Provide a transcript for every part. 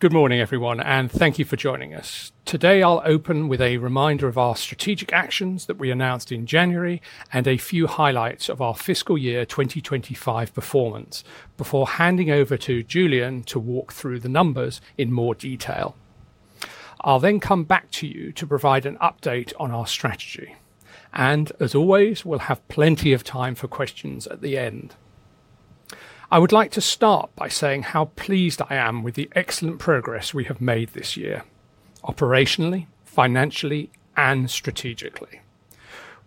Good morning, everyone, and thank you for joining us. Today, I'll open with a reminder of our strategic actions that we announced in January and a few highlights of our fiscal year 2025 performance before handing over to Julian to walk through the numbers in more detail. I'll then come back to you to provide an update on our strategy. As always, we'll have plenty of time for questions at the end. I would like to start by saying how pleased I am with the excellent progress we have made this year, operationally, financially, and strategically.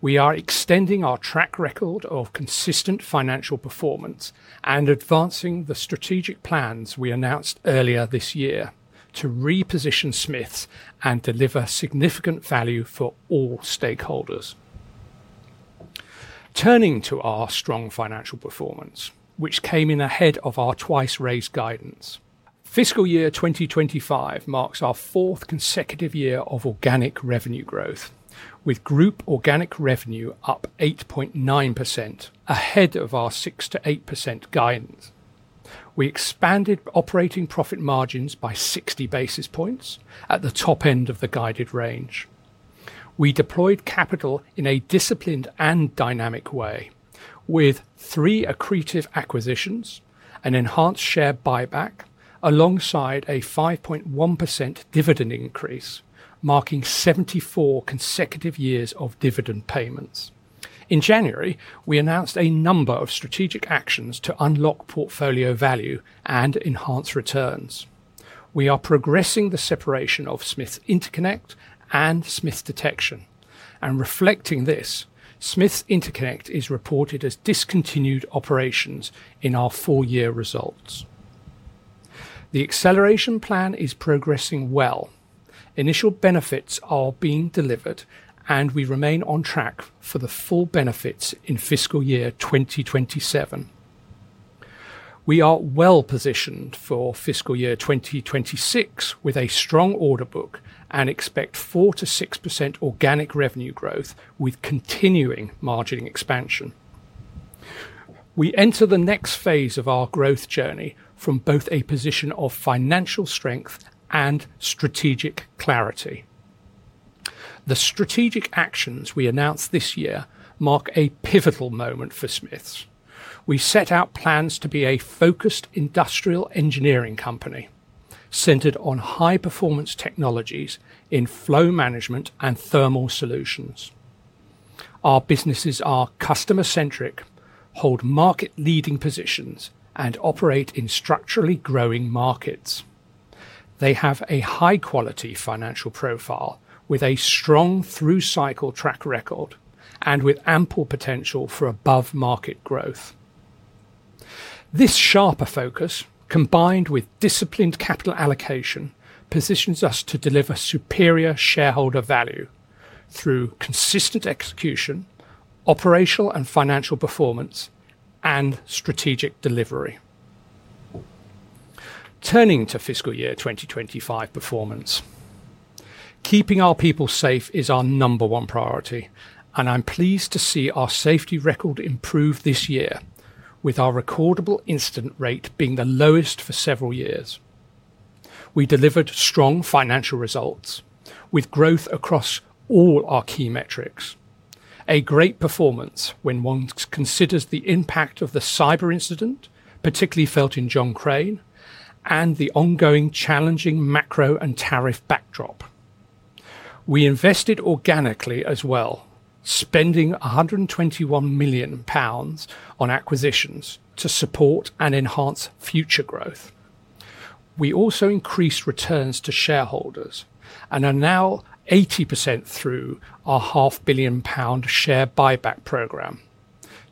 We are extending our track record of consistent financial performance and advancing the strategic plans we announced earlier this year to reposition Smiths Group and deliver significant value for all stakeholders. Turning to our strong financial performance, which came in ahead of our twice-raised guidance, fiscal year 2025 marks our fourth consecutive year of organic revenue growth, with group organic revenue up 8.9%, ahead of our 6 to 8% guidance. We expanded operating profit margins by 60 basis points at the top end of the guided range. We deployed capital in a disciplined and dynamic way, with three accretive acquisitions, an enhanced share buyback, alongside a 5.1% dividend increase, marking 74 consecutive years of dividend payments. In January, we announced a number of strategic actions to unlock portfolio value and enhance returns. We are progressing the separation of Smiths Interconnect and Smiths Detection, and reflecting this, Smiths Interconnect is reported as discontinued operations in our four-year results. The acceleration plan is progressing well. Initial benefits are being delivered, and we remain on track for the full benefits in fiscal year 2027. We are well positioned for fiscal year 2026 with a strong order book and expect 4 to 6% organic revenue growth with continuing margin expansion. We enter the next phase of our growth journey from both a position of financial strength and strategic clarity. The strategic actions we announced this year mark a pivotal moment for Smiths Group. We set out plans to be a focused industrial engineering company centered on high-performance technologies in flow management and thermal solutions. Our businesses are customer-centric, hold market-leading positions, and operate in structurally growing markets. They have a high-quality financial profile with a strong through-cycle track record and with ample potential for above-market growth. This sharper focus, combined with disciplined capital allocation, positions us to deliver superior shareholder value through consistent execution, operational and financial performance, and strategic delivery. Turning to fiscal year 2025 performance, keeping our people safe is our number one priority, and I'm pleased to see our safety record improve this year with our recordable incident rate being the lowest for several years. We delivered strong financial results with growth across all our key metrics. A great performance when one considers the impact of the cyber incident, particularly felt in John Crane, and the ongoing challenging macro and tariff backdrop. We invested organically as well, spending £121 million on acquisitions to support and enhance future growth. We also increased returns to shareholders and are now 80% through our half-billion pound share buyback program.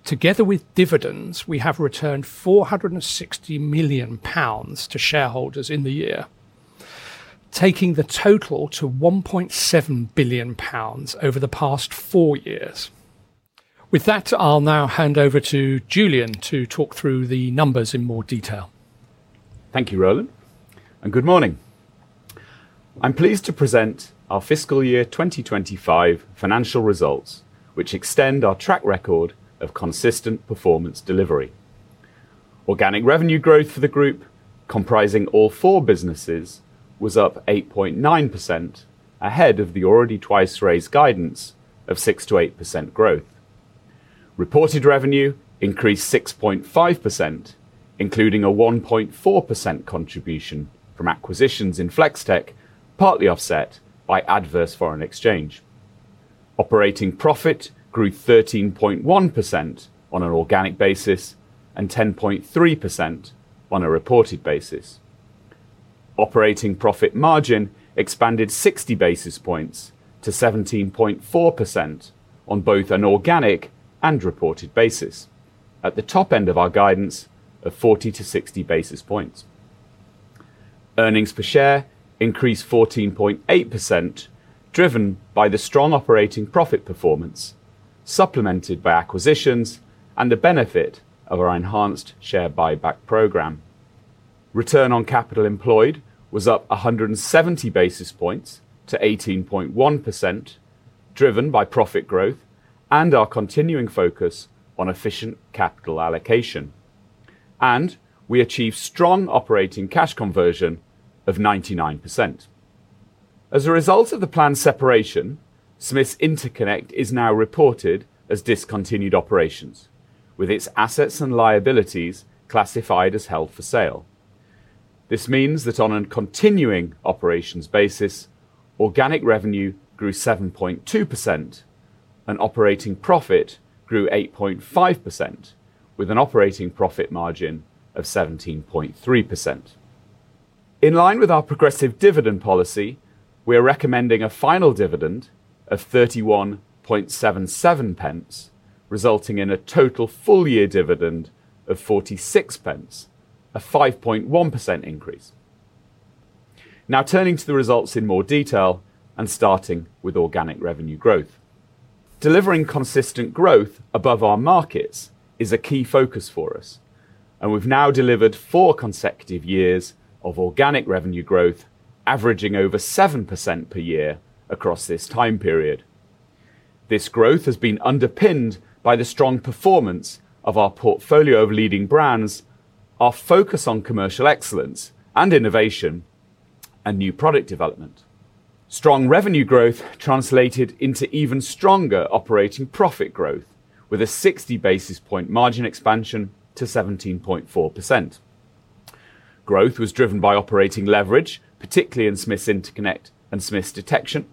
Together with dividends, we have returned £460 million to shareholders in the year, taking the total to £1.7 billion over the past four years. With that, I'll now hand over to Julian to talk through the numbers in more detail. Thank you, Roland, and good morning. I'm pleased to present our fiscal year 2025 financial results, which extend our track record of consistent performance delivery. Organic revenue growth for the group, comprising all four businesses, was up 8.9%, ahead of the already twice-raised guidance of 6 to 8% growth. Reported revenue increased 6.5%, including a 1.4% contribution from acquisitions in Flex-Tek, partly offset by adverse foreign exchange. Operating profit grew 13.1% on an organic basis and 10.3% on a reported basis. Operating profit margin expanded 60 basis points to 17.4% on both an organic and reported basis, at the top end of our guidance of 40 to 60 basis points. Earnings per share increased 14.8%, driven by the strong operating profit performance, supplemented by acquisitions and the benefit of our enhanced share buyback program. Return on capital employed was up 170 basis points to 18.1%, driven by profit growth and our continuing focus on efficient capital allocation. We achieved strong operating cash conversion of 99%. As a result of the planned separation, Smiths Interconnect is now reported as discontinued operations, with its assets and liabilities classified as held for sale. This means that on a continuing operations basis, organic revenue grew 7.2% and operating profit grew 8.5%, with an operating profit margin of 17.3%. In line with our progressive dividend policy, we are recommending a final dividend of £0.3177, resulting in a total full-year dividend of £0.46, a 5.1% increase. Now turning to the results in more detail and starting with organic revenue growth. Delivering consistent growth above our markets is a key focus for us, and we've now delivered four consecutive years of organic revenue growth, averaging over 7% per year across this time period. This growth has been underpinned by the strong performance of our portfolio of leading brands, our focus on commercial excellence and innovation, and new product development. Strong revenue growth translated into even stronger operating profit growth, with a 60 basis point margin expansion to 17.4%. Growth was driven by operating leverage, particularly in Smiths Interconnect and Smiths Detection,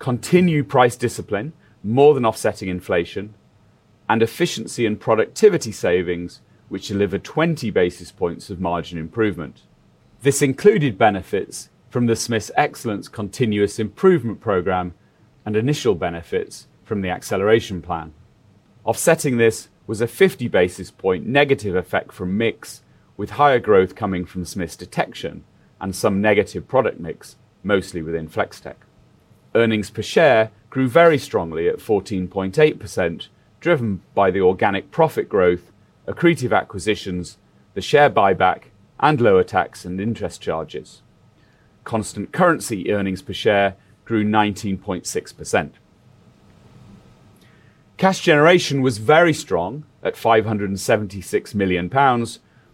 continued price discipline more than offsetting inflation, and efficiency and productivity savings, which delivered 20 basis points of margin improvement. This included benefits from the Smiths Excellence Continuous Improvement Program and initial benefits from the acceleration plan. Offsetting this was a 50 basis point negative effect from mix, with higher growth coming from Smiths Detection and some negative product mix, mostly within Flex-Tek. Earnings per share grew very strongly at 14.8%, driven by the organic profit growth, accretive acquisitions, the share buyback, and lower tax and interest charges. Constant currency earnings per share grew 19.6%. Cash generation was very strong at £576 million,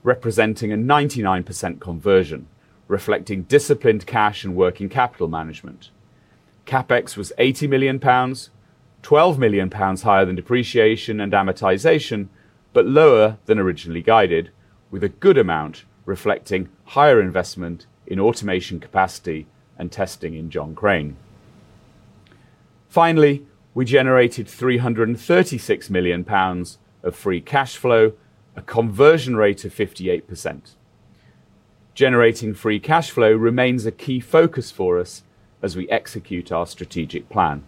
representing a 99% conversion, reflecting disciplined cash and working capital management. CapEx was £80 million, £12 million higher than depreciation and amortization, but lower than originally guided, with a good amount reflecting higher investment in automation capacity and testing in John Crane. Finally, we generated £336 million of free cash flow, a conversion rate of 58%. Generating free cash flow remains a key focus for us as we execute our strategic plan.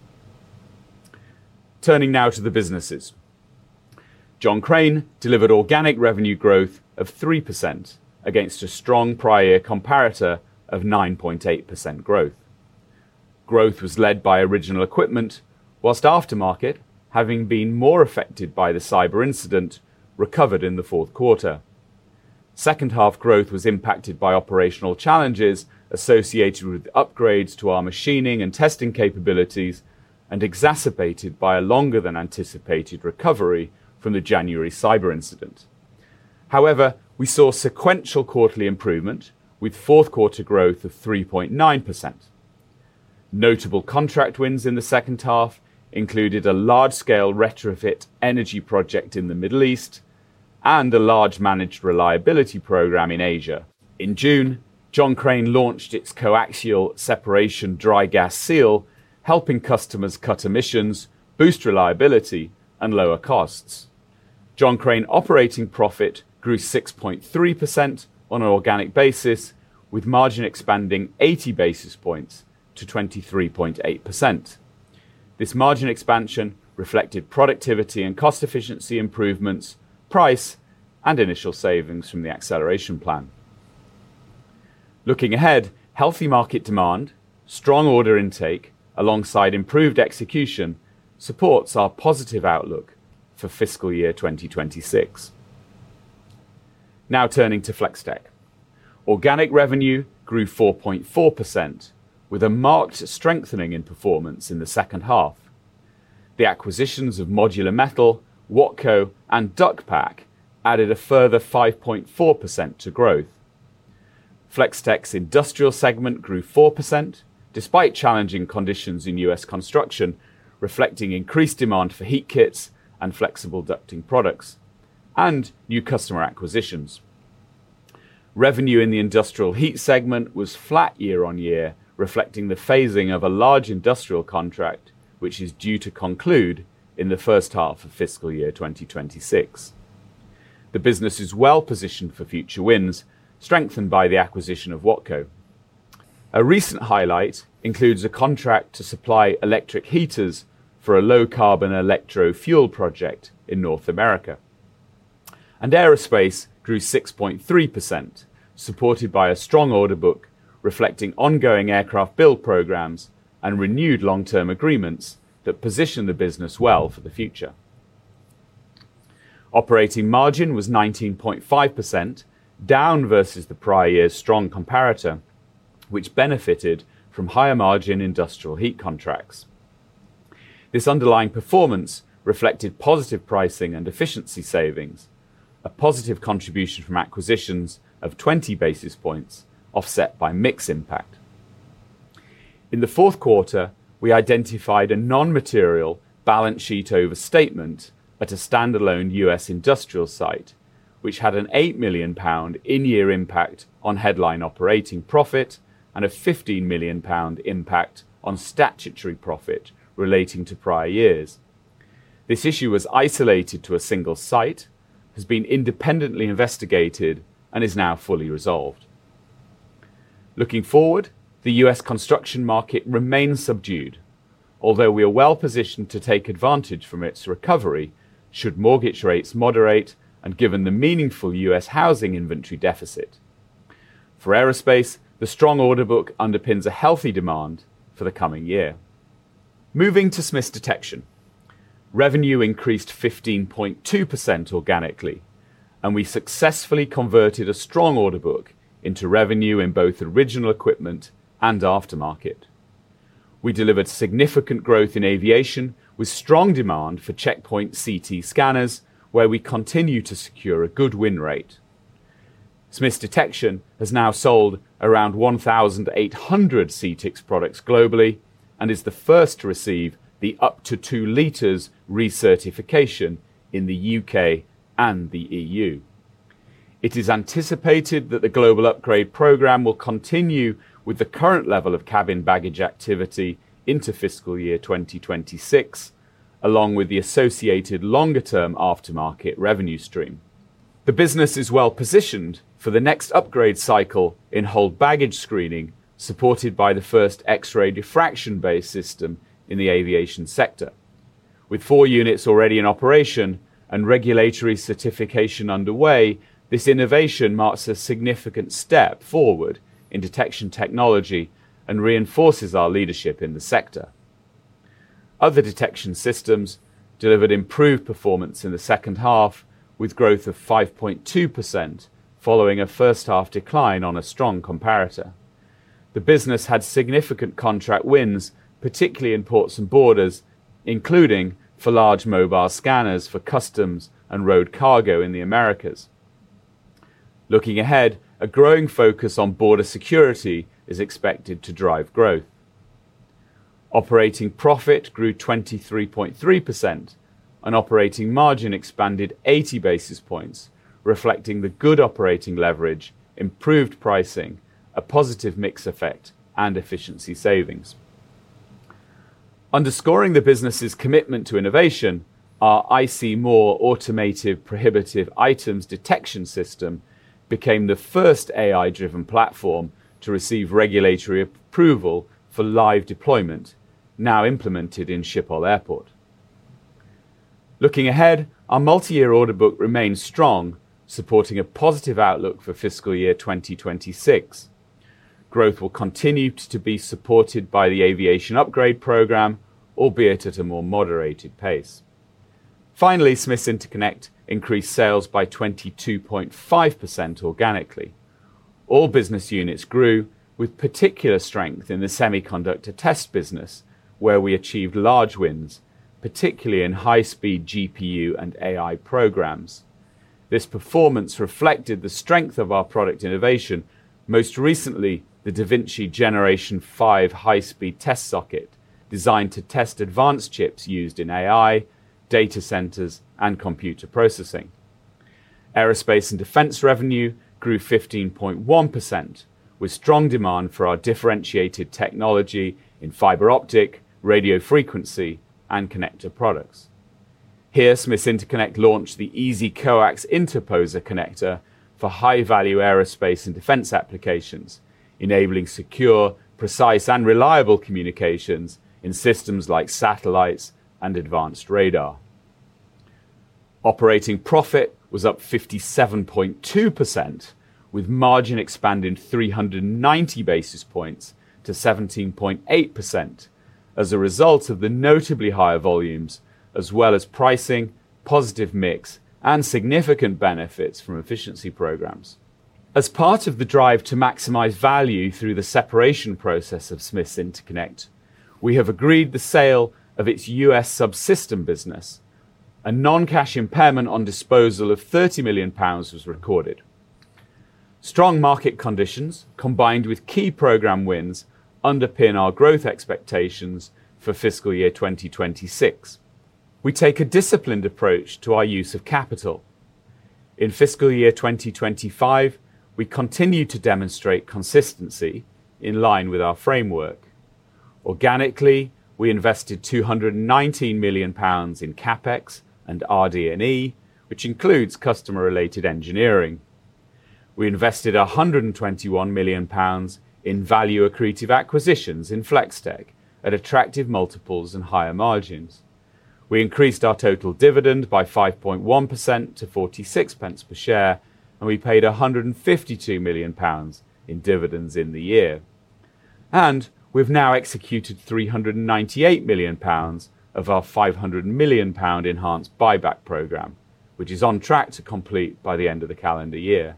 Turning now to the businesses. John Crane delivered organic revenue growth of 3% against a strong prior year comparator of 9.8% growth. Growth was led by original equipment, whilst aftermarket, having been more affected by the cyber incident, recovered in the fourth quarter. Second half growth was impacted by operational challenges associated with upgrades to our machining and testing capabilities and exacerbated by a longer than anticipated recovery from the January cyber incident. However, we saw sequential quarterly improvement, with fourth quarter growth of 3.9%. Notable contract wins in the second half included a large-scale retrofit energy project in the Middle East and a large managed reliability program in Asia. In June, John Crane launched its coaxial separation dry gas seal, helping customers cut emissions, boost reliability, and lower costs. John Crane operating profit grew 6.3% on an organic basis, with margin expanding 80 basis points to 23.8%. This margin expansion reflected productivity and cost efficiency improvements, price, and initial savings from the acceleration plan. Looking ahead, healthy market demand, strong order intake, alongside improved execution, supports our positive outlook for fiscal year 2026. Now turning to Flex-Tek. Organic revenue grew 4.4%, with a marked strengthening in performance in the second half. The acquisitions of Modular Metal, Wattco, and Duckpack added a further 5.4% to growth. Flex-Tek's industrial segment grew 4% despite challenging conditions in U.S. construction, reflecting increased demand for heat kits and flexible ducting products and new customer acquisitions. Revenue in the industrial heat segment was flat year on year, reflecting the phasing of a large industrial contract, which is due to conclude in the first half of fiscal year 2026. The business is well positioned for future wins, strengthened by the acquisition of Wattco. A recent highlight includes a contract to supply electric heaters for a low-carbon electrofuel project in North America. Aerospace grew 6.3%, supported by a strong order book, reflecting ongoing aircraft build programs and renewed long-term agreements that position the business well for the future. Operating margin was 19.5%, down versus the prior year's strong comparator, which benefited from higher margin industrial heat contracts. This underlying performance reflected positive pricing and efficiency savings, a positive contribution from acquisitions of 20 basis points, offset by mix impact. In the fourth quarter, we identified a non-material balance sheet overstatement at a standalone U.S. industrial site, which had an £8 million in-year impact on headline operating profit and a £15 million impact on statutory profit relating to prior years. This issue was isolated to a single site, has been independently investigated, and is now fully resolved. Looking forward, the U.S. construction market remains subdued, although we are well positioned to take advantage from its recovery should mortgage rates moderate and given the meaningful U.S. housing inventory deficit. For aerospace, the strong order book underpins a healthy demand for the coming year. Moving to Smiths Detection, revenue increased 15.2% organically, and we successfully converted a strong order book into revenue in both original equipment and aftermarket. We delivered significant growth in aviation, with strong demand for checkpoint CT scanners, where we continue to secure a good win rate. Smiths Detection has now sold around 1,800 CTX products globally and is the first to receive the up to two liters recertification in the UK and the EU. It is anticipated that the global upgrade program will continue with the current level of cabin baggage activity into fiscal year 2026, along with the associated longer-term aftermarket revenue stream. The business is well positioned for the next upgrade cycle in whole baggage screening, supported by the first X-ray diffraction-based system in the aviation sector. With four units already in operation and regulatory certification underway, this innovation marks a significant step forward in detection technology and reinforces our leadership in the sector. Other detection systems delivered improved performance in the second half, with growth of 5.2% following a first-half decline on a strong comparator. The business had significant contract wins, particularly in ports and borders, including for large mobile scanners for customs and road cargo in the Americas. Looking ahead, a growing focus on border security is expected to drive growth. Operating profit grew 23.3%, and operating margin expanded 80 basis points, reflecting the good operating leverage, improved pricing, a positive mix effect, and efficiency savings. Underscoring the business's commitment to innovation, our ICMOR automated prohibitive items detection system became the first AI-driven platform to receive regulatory approval for live deployment, now implemented in Schiphol Airport. Looking ahead, our multi-year order book remains strong, supporting a positive outlook for fiscal year 2026. Growth will continue to be supported by the aviation upgrade program, albeit at a more moderated pace. Finally, Smiths Interconnect increased sales by 22.5% organically. All business units grew, with particular strength in the semiconductor test business, where we achieved large wins, particularly in high-speed GPU and AI programs. This performance reflected the strength of our product innovation, most recently the DaVinci Generation 5 high-speed test socket, designed to test advanced chips used in AI, data centers, and computer processing. Aerospace and defense revenue grew 15.1%, with strong demand for our differentiated technology in fiber optic, radio frequency, and connector products. Here, Smiths Interconnect launched the Easy Coax Interposer connector for high-value aerospace and defense applications, enabling secure, precise, and reliable communications in systems like satellites and advanced radar. Operating profit was up 57.2%, with margin expanding 390 basis points to 17.8% as a result of the notably higher volumes, as well as pricing, positive mix, and significant benefits from efficiency programs. As part of the drive to maximize value through the separation process of Smiths Interconnect, we have agreed the sale of its U.S. subsystem business. A non-cash impairment on disposal of £30 million was recorded. Strong market conditions, combined with key program wins, underpin our growth expectations for fiscal year 2026. We take a disciplined approach to our use of capital. In fiscal year 2025, we continue to demonstrate consistency in line with our framework. Organically, we invested £219 million in CapEx and RD&E, which includes customer-related engineering. We invested £121 million in value accretive acquisitions in Flex-Tek at attractive multiples and higher margins. We increased our total dividend by 5.1% to 46 pence per share, and we paid £152 million in dividends in the year. We have now executed £398 million of our £500 million enhanced buyback program, which is on track to complete by the end of the calendar year.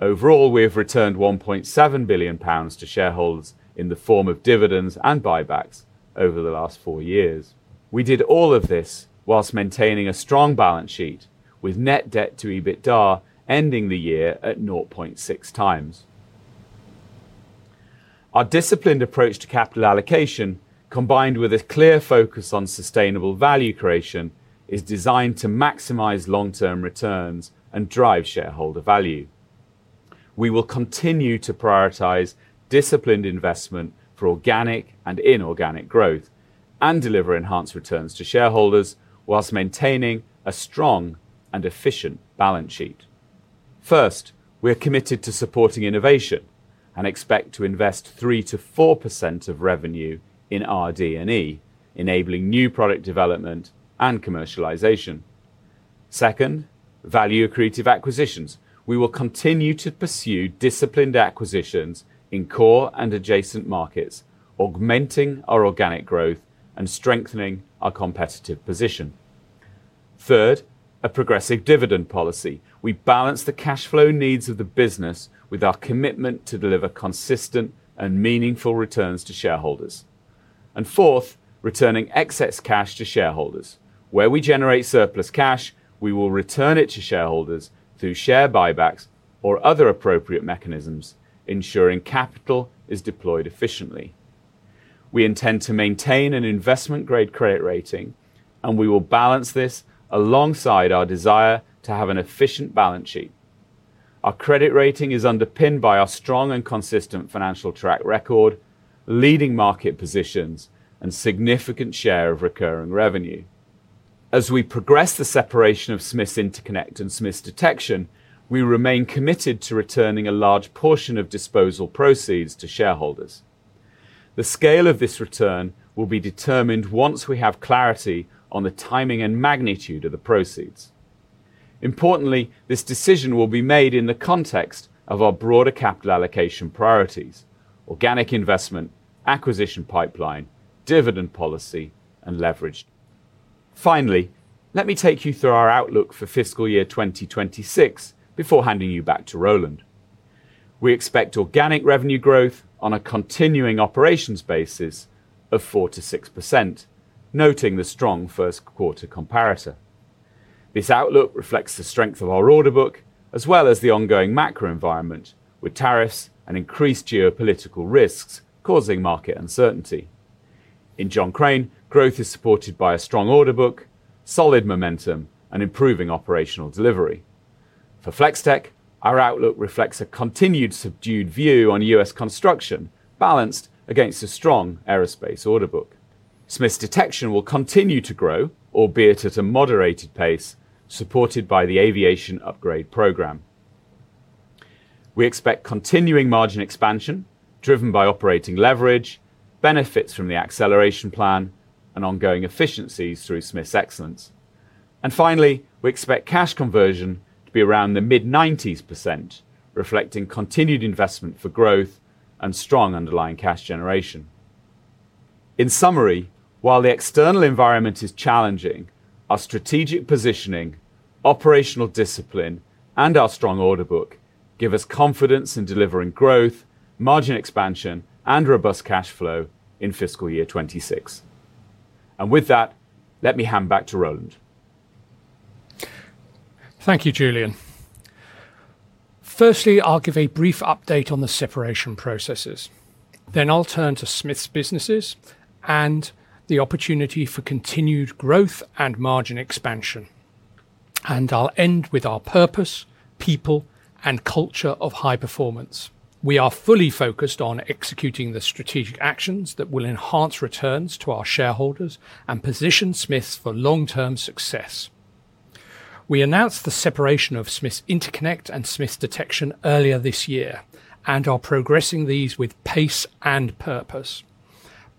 Overall, we have returned £1.7 billion to shareholders in the form of dividends and buybacks over the last four years. We did all of this whilst maintaining a strong balance sheet, with net debt to EBITDA ending the year at 0.6 times. Our disciplined approach to capital allocation, combined with a clear focus on sustainable value creation, is designed to maximize long-term returns and drive shareholder value. We will continue to prioritize disciplined investment for organic and inorganic growth and deliver enhanced returns to shareholders whilst maintaining a strong and efficient balance sheet. First, we are committed to supporting innovation and expect to invest 3% to 4% of revenue in RD&E, enabling new product development and commercialization. Second, value accretive acquisitions. We will continue to pursue disciplined acquisitions in core and adjacent markets, augmenting our organic growth and strengthening our competitive position. Third, a progressive dividend policy. We balance the cash flow needs of the business with our commitment to deliver consistent and meaningful returns to shareholders. Fourth, returning excess cash to shareholders. Where we generate surplus cash, we will return it to shareholders through share buybacks or other appropriate mechanisms, ensuring capital is deployed efficiently. We intend to maintain an investment-grade credit rating, and we will balance this alongside our desire to have an efficient balance sheet. Our credit rating is underpinned by our strong and consistent financial track record, leading market positions, and significant share of recurring revenue. As we progress the separation of Smiths Interconnect and Smiths Detection, we remain committed to returning a large portion of disposal proceeds to shareholders. The scale of this return will be determined once we have clarity on the timing and magnitude of the proceeds. Importantly, this decision will be made in the context of our broader capital allocation priorities: organic investment, acquisition pipeline, dividend policy, and leverage. Finally, let me take you through our outlook for fiscal year 2026 before handing you back to Roland. We expect organic revenue growth on a continuing operations basis of 4 to 6%, noting the strong first quarter comparator. This outlook reflects the strength of our order book, as well as the ongoing macro environment, with tariffs and increased geopolitical risks causing market uncertainty. In John Crane, growth is supported by a strong order book, solid momentum, and improving operational delivery. For Flex-Tek, our outlook reflects a continued subdued view on U.S. construction, balanced against a strong aerospace order book. Smiths Detection will continue to grow, albeit at a moderated pace, supported by the aviation upgrade program. We expect continuing margin expansion, driven by operating leverage, benefits from the acceleration plan, and ongoing efficiencies through Smiths Excellence. We expect cash conversion to be around the mid-90% range, reflecting continued investment for growth and strong underlying cash generation. In summary, while the external environment is challenging, our strategic positioning, operational discipline, and our strong order book give us confidence in delivering growth, margin expansion, and robust cash flow in fiscal year 2026. With that, let me hand back to Roland. Thank you, Julian. Firstly, I'll give a brief update on the separation processes. Then I'll turn to Smiths businesses and the opportunity for continued growth and margin expansion. I'll end with our purpose, people, and culture of high performance. We are fully focused on executing the strategic actions that will enhance returns to our shareholders and position Smiths Group for long-term success. We announced the separation of Smiths Interconnect and Smiths Detection earlier this year, and are progressing these with pace and purpose,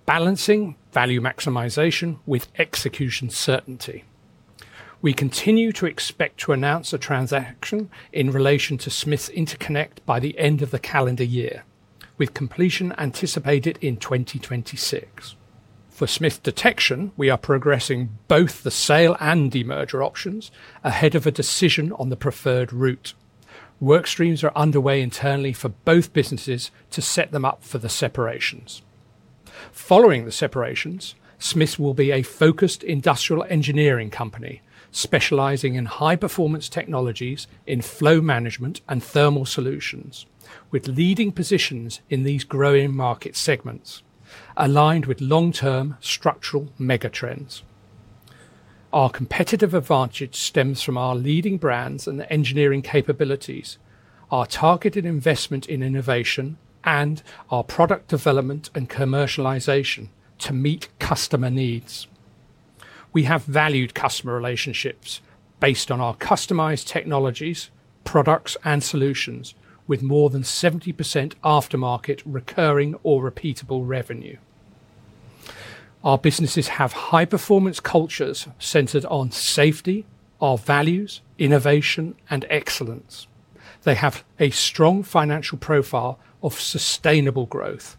balancing value maximization with execution certainty. We continue to expect to announce a transaction in relation to Smiths Interconnect by the end of the calendar year, with completion anticipated in 2026. For Smiths Detection, we are progressing both the sale and demerger options ahead of a decision on the preferred route. Work streams are underway internally for both businesses to set them up for the separations. Following the separations, Smiths Group will be a focused industrial engineering company specializing in high-performance technologies in flow management and thermal solutions, with leading positions in these growing market segments, aligned with long-term structural megatrends. Our competitive advantage stems from our leading brands and engineering capabilities, our targeted investment in innovation, and our product development and commercialization to meet customer needs. We have valued customer relationships based on our customized technologies, products, and solutions, with more than 70% aftermarket recurring or repeatable revenue. Our businesses have high-performance cultures centered on safety, our values, innovation, and excellence. They have a strong financial profile of sustainable growth,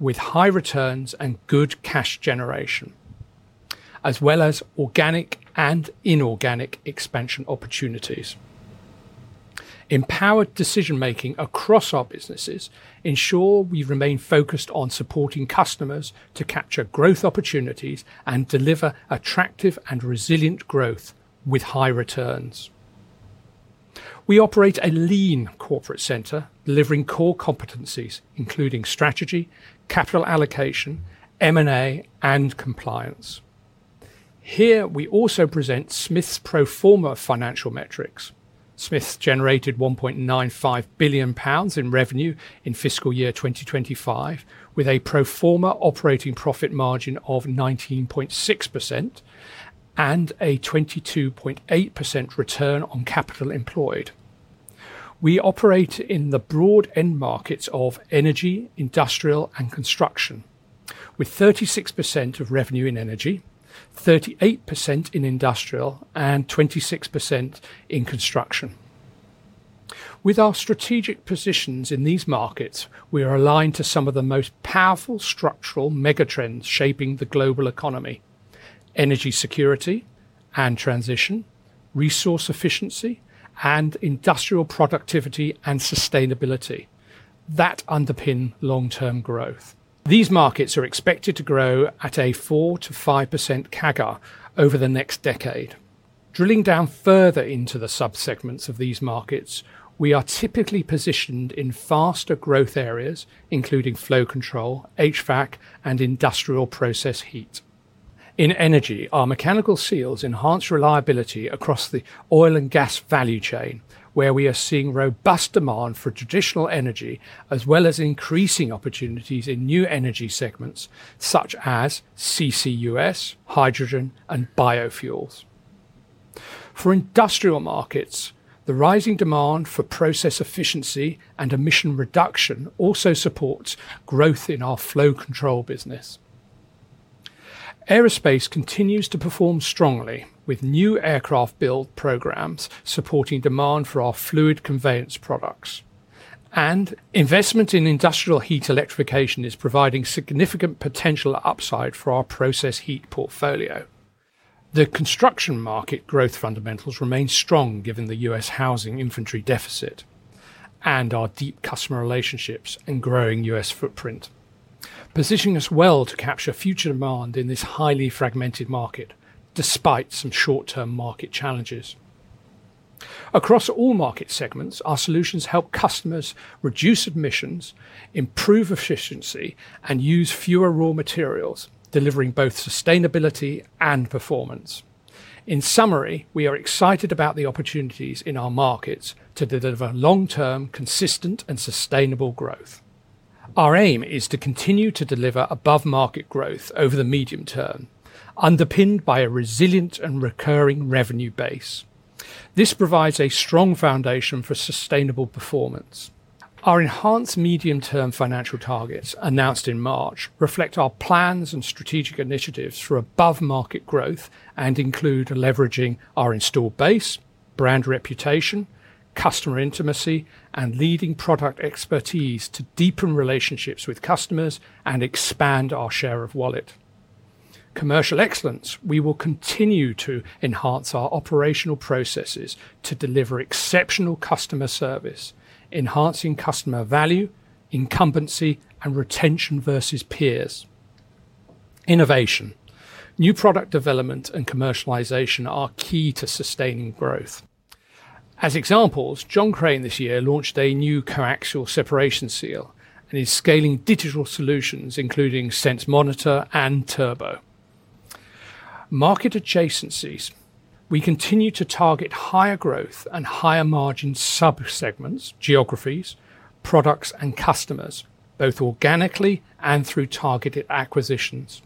with high returns and good cash generation, as well as organic and inorganic expansion opportunities. Empowered decision-making across our businesses ensures we remain focused on supporting customers to capture growth opportunities and deliver attractive and resilient growth with high returns. We operate a lean corporate center, delivering core competencies including strategy, capital allocation, M&A, and compliance. Here, we also present Smiths Group's pro forma financial metrics. Smiths Group generated £1.95 billion in revenue in fiscal year 2025, with a pro forma operating profit margin of 19.6% and a 22.8% return on capital employed. We operate in the broad end markets of energy, industrial, and construction, with 36% of revenue in energy, 38% in industrial, and 26% in construction. With our strategic positions in these markets, we are aligned to some of the most powerful structural megatrends shaping the global economy: energy security and transition, resource efficiency, and industrial productivity and sustainability that underpin long-term growth. These markets are expected to grow at a 4 to 5% CAGR over the next decade. Drilling down further into the subsegments of these markets, we are typically positioned in faster growth areas, including flow control, HVAC, and industrial process heat. In energy, our mechanical seals enhance reliability across the oil and gas value chain, where we are seeing robust demand for traditional energy, as well as increasing opportunities in new energy segments such as CCUS, hydrogen, and biofuels. For industrial markets, the rising demand for process efficiency and emission reduction also supports growth in our flow control business. Aerospace continues to perform strongly with new aircraft build programs supporting demand for our fluid conveyance products, and investment in industrial heat electrification is providing significant potential upside for our process heat portfolio. The construction market growth fundamentals remain strong given the U.S. housing inventory deficit and our deep customer relationships and growing U.S. footprint, positioning us well to capture future demand in this highly fragmented market despite some short-term market challenges. Across all market segments, our solutions help customers reduce emissions, improve efficiency, and use fewer raw materials, delivering both sustainability and performance. In summary, we are excited about the opportunities in our markets to deliver long-term, consistent, and sustainable growth. Our aim is to continue to deliver above-market growth over the medium term, underpinned by a resilient and recurring revenue base. This provides a strong foundation for sustainable performance. Our enhanced medium-term financial targets announced in March reflect our plans and strategic initiatives for above-market growth and include leveraging our installed base, brand reputation, customer intimacy, and leading product expertise to deepen relationships with customers and expand our share of wallet. Commercial excellence, we will continue to enhance our operational processes to deliver exceptional customer service, enhancing customer value, incumbency, and retention versus peers. Innovation, new product development, and commercialization are key to sustaining growth. As examples, John Crane this year launched a new coaxial separation dry gas seal and is scaling digital solutions including Sense Monitor and Turbo. Market adjacencies, we continue to target higher growth and higher margin subsegments, geographies, products, and customers, both organically and through targeted acquisitions.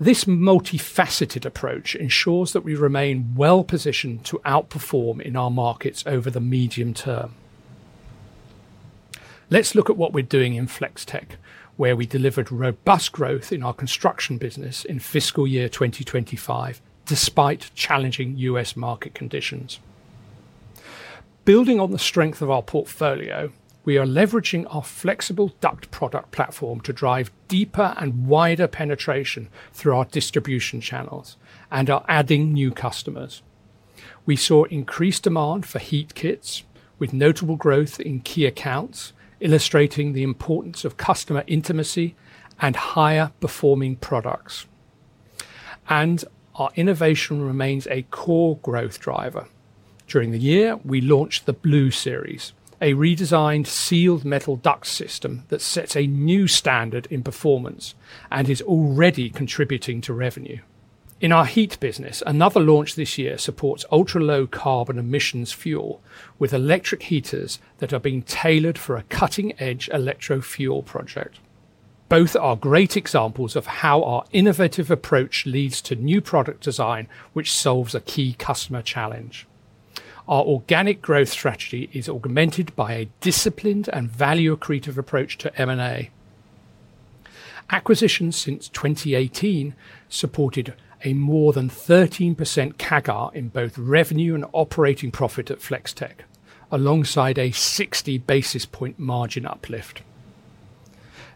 This multifaceted approach ensures that we remain well positioned to outperform in our markets over the medium term. Let's look at what we're doing in Flex-Tek, where we delivered robust growth in our construction business in fiscal year 2025, despite challenging U.S. market conditions. Building on the strength of our portfolio, we are leveraging our flexible duct product platform to drive deeper and wider penetration through our distribution channels and are adding new customers. We saw increased demand for heat kits, with notable growth in key accounts, illustrating the importance of customer intimacy and higher performing products. Our innovation remains a core growth driver. During the year, we launched the Blue Series duct system, a redesigned sealed metal duct system that sets a new standard in performance and is already contributing to revenue. In our heat business, another launch this year supports ultra-low carbon emissions fuel with electric heaters that are being tailored for a cutting-edge electrofuel project. Both are great examples of how our innovative approach leads to new product design, which solves a key customer challenge. Our organic growth strategy is augmented by a disciplined and value accretive approach to M&A. Acquisitions since 2018 supported a more than 13% CAGR in both revenue and operating profit at Flex-Tek, alongside a 60 basis point margin uplift.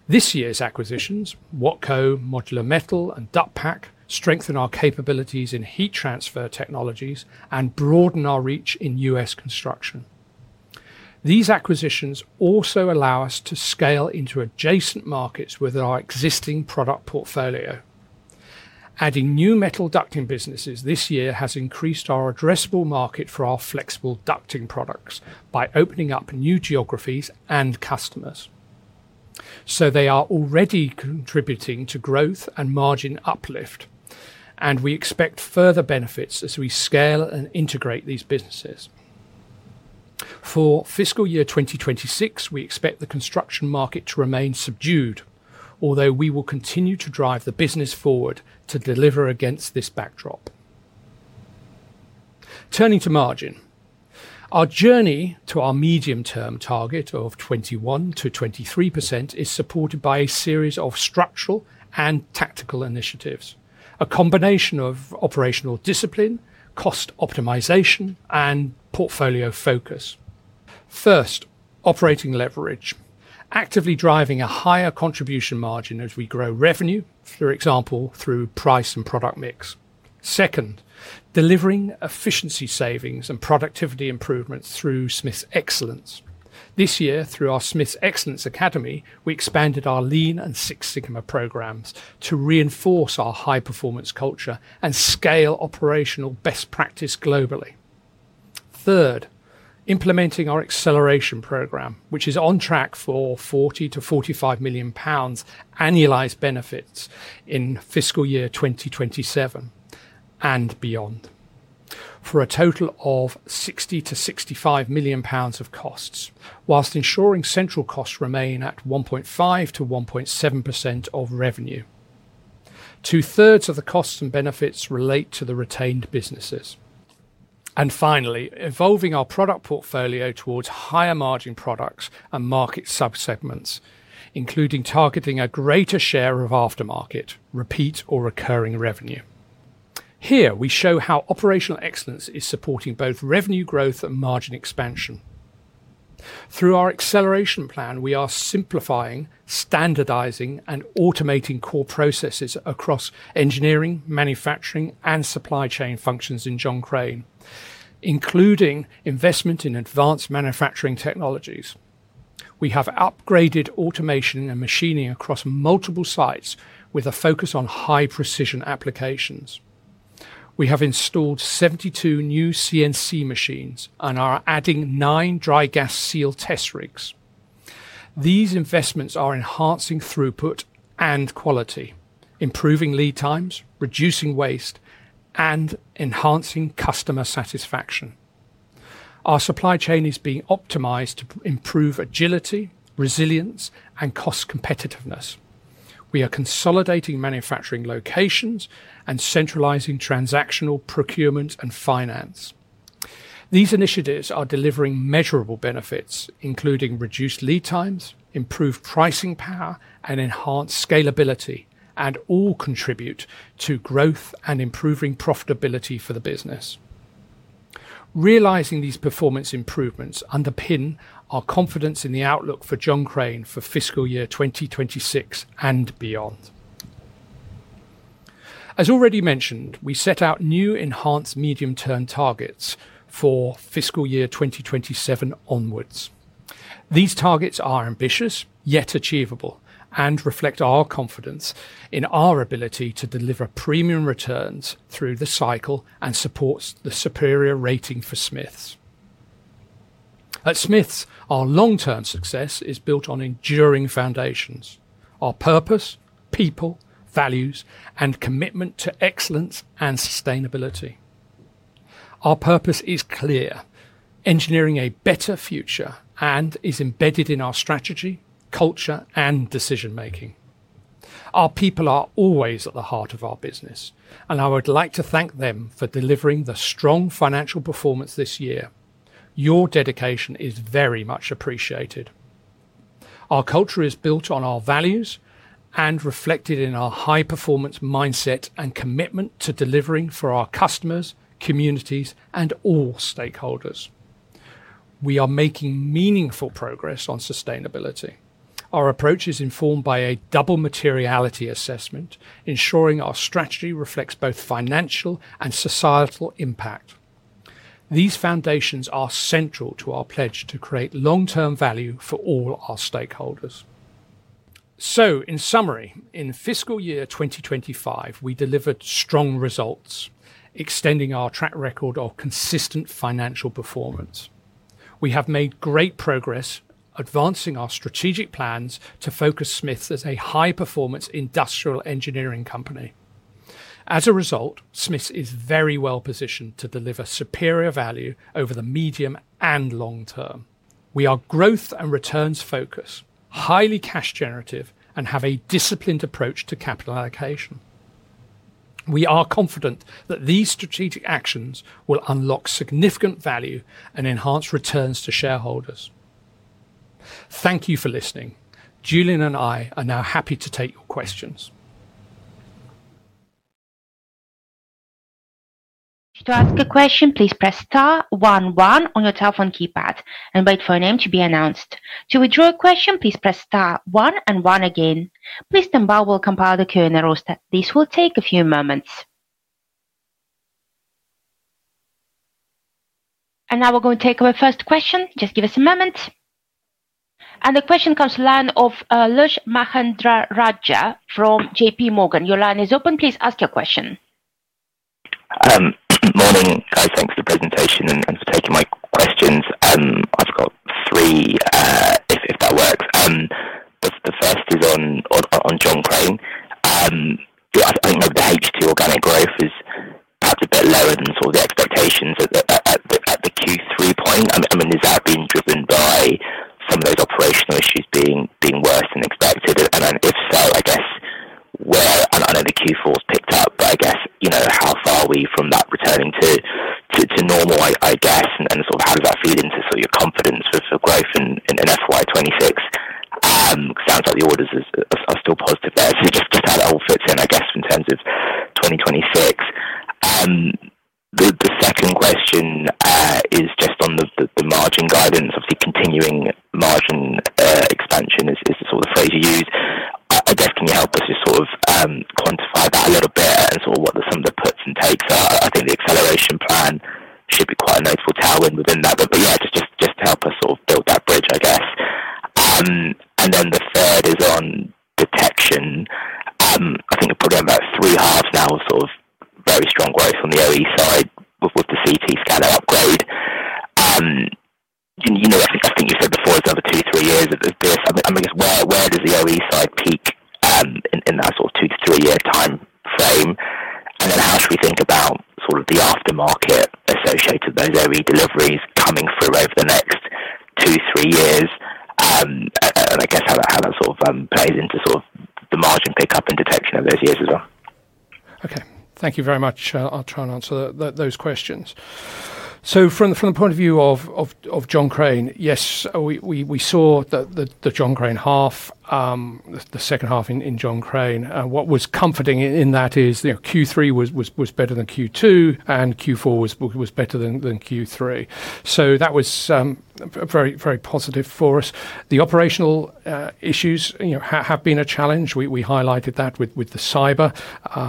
This year's acquisitions, Wattco, Modular Metal, and Duckpack, strengthen our capabilities in heat transfer technologies and broaden our reach in U.S. construction. These acquisitions also allow us to scale into adjacent markets with our existing product portfolio. Adding new metal ducting businesses this year has increased our addressable market for our flexible ducting products by opening up new geographies and customers. They are already contributing to growth and margin uplift, and we expect further benefits as we scale and integrate these businesses. For fiscal year 2026, we expect the construction market to remain subdued, although we will continue to drive the business forward to deliver against this backdrop. Turning to margin, our journey to our medium-term target of 21% to 23% is supported by a series of structural and tactical initiatives, a combination of operational discipline, cost optimization, and portfolio focus. First, operating leverage, actively driving a higher contribution margin as we grow revenue, for example, through price and product mix. Second, delivering efficiency savings and productivity improvements through Smiths Excellence. This year, through our Smiths Excellence Academy, we expanded our lean and Six Sigma programs to reinforce our high-performance culture and scale operational best practice globally. Third, implementing our acceleration program, which is on track for £40 million to £45 million annualized benefits in fiscal year 2027 and beyond, for a total of £60 million to £65 million of costs, whilst ensuring central costs remain at 1.5% to 1.7% of revenue. Two-thirds of the costs and benefits relate to the retained businesses. Finally, evolving our product portfolio towards higher margin products and market subsegments, including targeting a greater share of aftermarket, repeat, or recurring revenue. Here, we show how operational excellence is supporting both revenue growth and margin expansion. Through our acceleration plan, we are simplifying, standardizing, and automating core processes across engineering, manufacturing, and supply chain functions in John Crane, including investment in advanced manufacturing technologies. We have upgraded automation and machining across multiple sites with a focus on high-precision applications. We have installed 72 new CNC machines and are adding nine dry gas seal test rigs. These investments are enhancing throughput and quality, improving lead times, reducing waste, and enhancing customer satisfaction. Our supply chain is being optimized to improve agility, resilience, and cost competitiveness. We are consolidating manufacturing locations and centralizing transactional procurement and finance. These initiatives are delivering measurable benefits, including reduced lead times, improved pricing power, and enhanced scalability, and all contribute to growth and improving profitability for the business. Realizing these performance improvements underpins our confidence in the outlook for John Crane for fiscal year 2026 and beyond. As already mentioned, we set out new enhanced medium-term targets for fiscal year 2027 onwards. These targets are ambitious, yet achievable, and reflect our confidence in our ability to deliver premium returns through the cycle and support the superior rating for Smiths Group. At Smiths Group, our long-term success is built on enduring foundations: our purpose, people, values, and commitment to excellence and sustainability. Our purpose is clear: engineering a better future, and is embedded in our strategy, culture, and decision-making. Our people are always at the heart of our business, and I would like to thank them for delivering the strong financial performance this year. Your dedication is very much appreciated. Our culture is built on our values and reflected in our high-performance mindset and commitment to delivering for our customers, communities, and all stakeholders. We are making meaningful progress on sustainability. Our approach is informed by a double materiality assessment, ensuring our strategy reflects both financial and societal impact. These foundations are central to our pledge to create long-term value for all our stakeholders. In summary, in fiscal year 2025, we delivered strong results, extending our track record of consistent financial performance. We have made great progress, advancing our strategic plans to focus Smiths Group as a high-performance industrial engineering company. As a result, Smiths Group is very well positioned to deliver superior value over the medium and long term. We are growth and returns focused, highly cash generative, and have a disciplined approach to capital allocation. We are confident that these strategic actions will unlock significant value and enhance returns to shareholders. Thank you for listening. Julian and I are now happy to take your questions. To ask a question, please press star one one on your telephone keypad and wait for your name to be announced. To withdraw a question, please press star one one again. Mr. Mbao will compile the Q&A roster. This will take a few moments. Now we're going to take our first question. Just give us a moment. The question comes to the line of Lushanthan Mahendrarajah from JPMorgan. Your line is open. Please ask your question. To the presentation and spoken, it operates nicely as being work. Returning to normal, I guess, and sort of have a feeling for your confidence for growth in FY 2026. It sounds like the orders are still positive. If you just have that all for a turn, I guess, in terms of 2026. The second question is just on the margin guidance, obviously continuing margin. Very strong growth on the OE side with the CT scanner upgrade. As we think about sort of the aftermarket associated with those OE delivery, just sort of the margin pickup and detection of those years as well. Okay. Thank you very much. I'll try and answer those questions. From the point of view of John Crane, yes, we saw that the John Crane half, the second half in John Crane. What was comforting in that is, you know, Q3 was better than Q2 and Q4 was better than Q3. That was very, very positive for us. The operational issues have been a challenge. We highlighted that with the cyber incident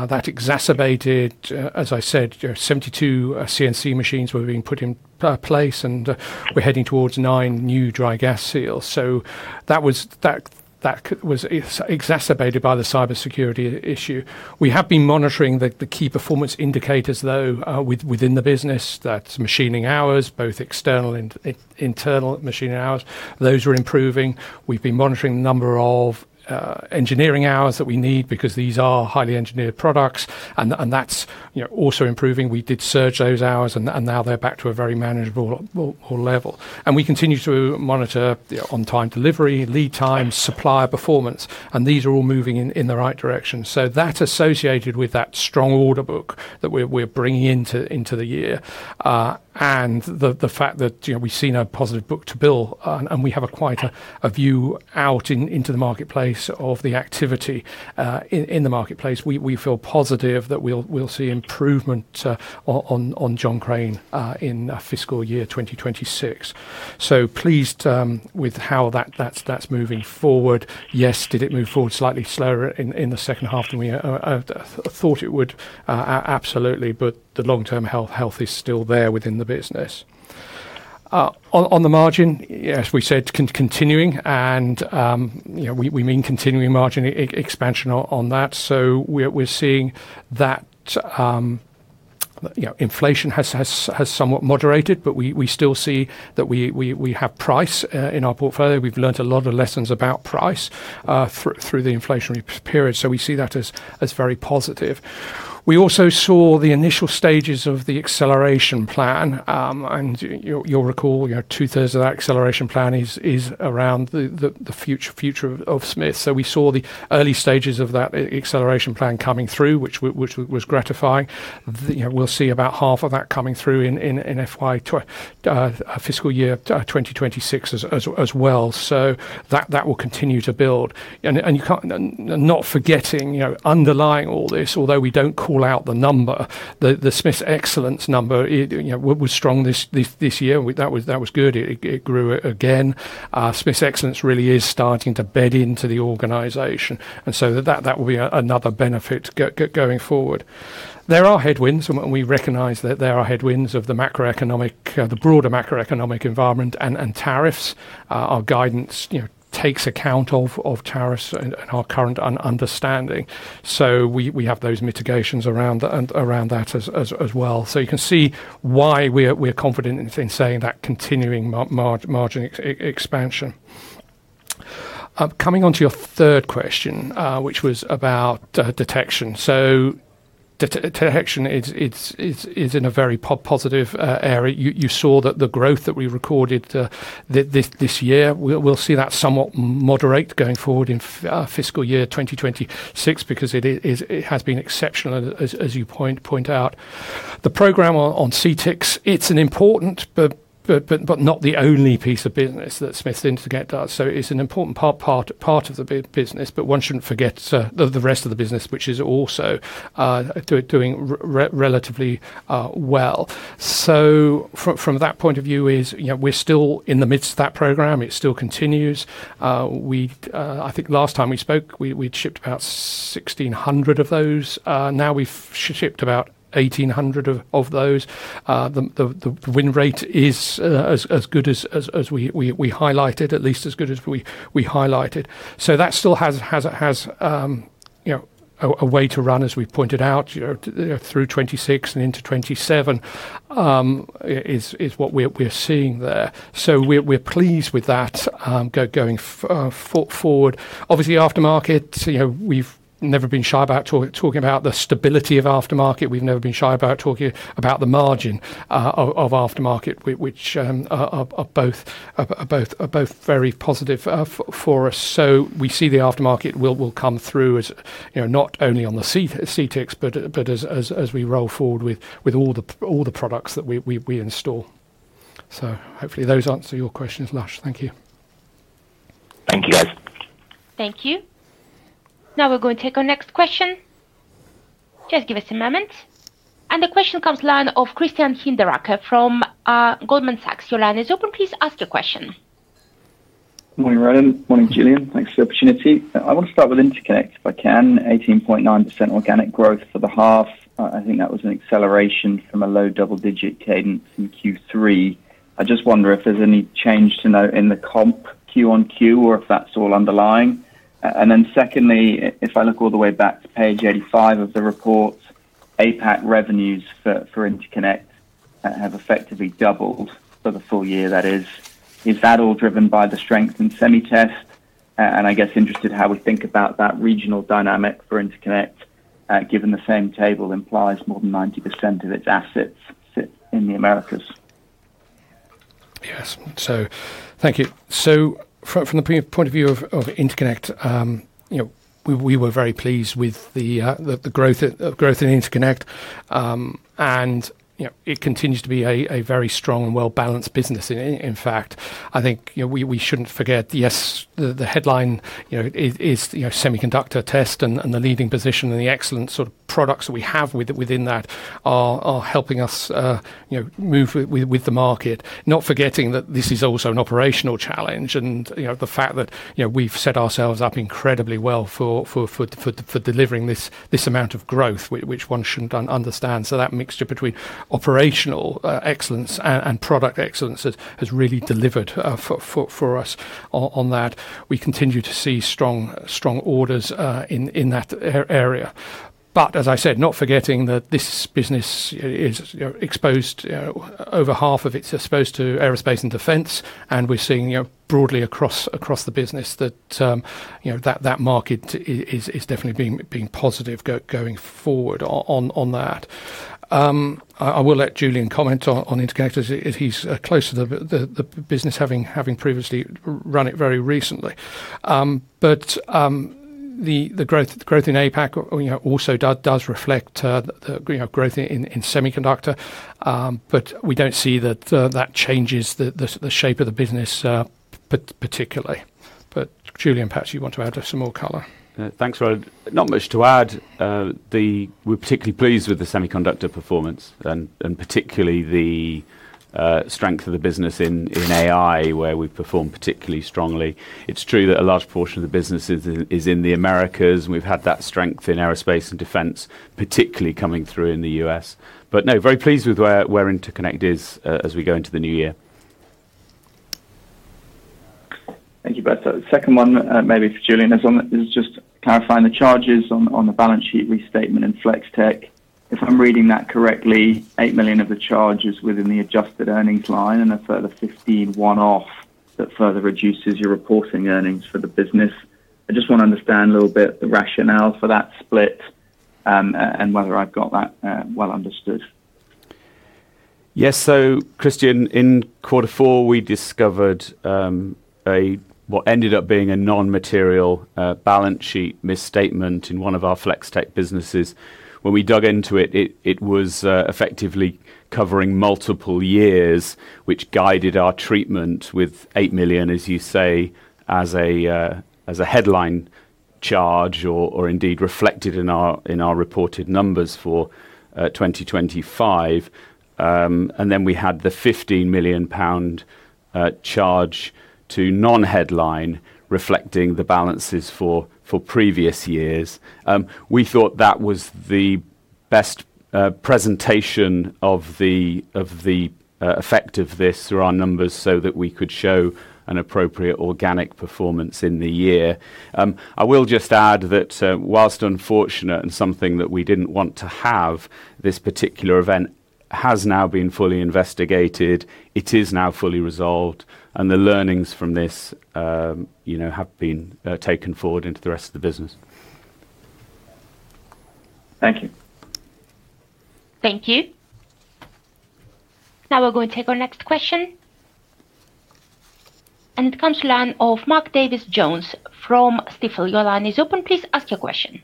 that exacerbated, as I said, there are 72 CNC machines that were being put in place, and we're heading towards nine new dry gas seals. That was exacerbated by the cybersecurity issue. We have been monitoring the key performance indicators within the business. That's machining hours, both external and internal machining hours. Those are improving. We've been monitoring the number of engineering hours that we need because these are highly engineered products, and that's also improving. We did surge those hours, and now they're back to a very manageable level. We continue to monitor on-time delivery, lead times, supply performance, and these are all moving in the right direction. That's associated with that strong order book that we're bringing into the year. The fact that we've seen a positive book to bill, and we have quite a view out into the marketplace of the activity in the marketplace. We feel positive that we'll see improvement on John Crane in fiscal year 2026. Pleased with how that's moving forward. Yes, did it move forward slightly slower in the second half than we thought it would? Absolutely, but the long-term health is still there within the business. On the margin, yes, we said continuing, and we mean continuing margin expansion on that. We're seeing that inflation has somewhat moderated, but we still see that we have price in our portfolio. We've learned a lot of lessons about price through the inflationary period. We see that as very positive. We also saw the initial stages of the acceleration plan, and you'll recall, you know, two-thirds of that acceleration plan is around the future of Smiths. We saw the early stages of that acceleration plan coming through, which was gratifying. We'll see about half of that coming through in fiscal year 2026 as well. That will continue to build. You can't not forget, underlying all this, although we don't call out the number, the Smiths Excellence number was strong this year. That was good. It grew again. Smiths Excellence really is starting to bed into the organization. That will be another benefit going forward. There are headwinds, and we recognize that there are headwinds of the macroeconomic, the broader macroeconomic environment and tariffs. Our guidance takes account of tariffs and our current understanding. We have those mitigations around that as well. You can see why we're confident in saying that continuing margin expansion. Coming on to your third question, which was about detection. Detection is in a very positive area. You saw that the growth that we recorded this year, we'll see that somewhat moderate going forward in fiscal year 2026 because it has been exceptional, as you point out. The program on CTX, it's an important, but not the only piece of business that Smiths Detection does. It's an important part of the business, but one shouldn't forget the rest of the business, which is also doing relatively well. From that point of view, we're still in the midst of that program. It still continues. I think last time we spoke, we'd shipped about 1,600 of those. Now we've shipped about 1,800 of those. The win rate is as good as we highlighted, at least as good as we highlighted. That still has a way to run, as we've pointed out, through 2026 and into 2027, is what we're seeing there. We're pleased with that going forward. Obviously, aftermarket, we've never been shy about talking about the stability of aftermarket. We've never been shy about talking about the margin of aftermarket, which are both very positive for us. We see the aftermarket will come through not only on the CTX, but as we roll forward with all the products that we install. Hopefully those answer your questions, Lush. Thank you. Thank you, guys. Thank you. Now we're going to take our next question. Just give us a moment. The question comes to the line of Christian Hinderaker from Goldman Sachs. Your line is open. Please ask your question. Morning, Roland. Morning, Julian. Thanks for the opportunity. I want to start with Interconnect, if I can. 18.9% organic growth for the half. I think that was an acceleration from a low double-digit cadence in Q3. I just wonder if there's any change to note in the comp Q on Q or if that's all underlying. Secondly, if I look all the way back to page 85 of the report, APAC revenues for Interconnect have effectively doubled for the full year, that is. Is that all driven by the strength in semi-test? I guess interested how we think about that regional dynamic for Interconnect, given the same table implies more than 90% of its assets in the Americas. Yes, thank you. From the point of view of Interconnect, we were very pleased with the growth in Interconnect. It continues to be a very strong and well-balanced business. In fact, I think we shouldn't forget, yes, the headline is semiconductor test and the leading position and the excellent sort of products that we have within that are helping us move with the market. Not forgetting that this is also an operational challenge and the fact that we've set ourselves up incredibly well for delivering this amount of growth, which one shouldn't underestimate. That mixture between operational excellence and product excellence has really delivered for us on that. We continue to see strong orders in that area. Not forgetting that this business is exposed, over half of it's exposed to aerospace and defense. We're seeing broadly across the business that market is definitely being positive going forward on that. I will let Julian comment on Interconnect as he's close to the business, having previously run it very recently. The growth in APAC also does reflect the growth in semiconductor. We don't see that changes the shape of the business particularly. Julian, perhaps you want to add some more color. Thanks, Roland. Not much to add. We're particularly pleased with the semiconductor performance and particularly the strength of the business in AI, where we perform particularly strongly. It's true that a large portion of the business is in the Americas, and we've had that strength in aerospace and defense, particularly coming through in the U.S. Very pleased with where Smiths Interconnect is as we go into the new year. Thank you, Beth. Second one, maybe for Julian, is just clarifying the charges on the balance sheet restatement in Flex-Tek. If I'm reading that correctly, $8 million of the charge is within the adjusted earnings line and a further $15 million one-off that further reduces your reporting earnings for the business. I just want to understand a little bit the rationale for that split and whether I've got that well understood. Yes, so Christian, in quarter four, we discovered what ended up being a non-material balance sheet restatement in one of our Flex-Tek businesses. When we dug into it, it was effectively covering multiple years, which guided our treatment with £8 million, as you say, as a headline charge or indeed reflected in our reported numbers for 2025. We had the £15 million charge to non-headline, reflecting the balances for previous years. We thought that was the best presentation of the effect of this through our numbers so that we could show an appropriate organic performance in the year. I will just add that whilst unfortunate and something that we didn't want to have, this particular event has now been fully investigated. It is now fully resolved, and the learnings from this have been taken forward into the rest of the business. Thank you. Thank you. Now we're going to take our next question. It comes to the line of Mark Davies Jones from Stifel. Your line is open. Please ask your question.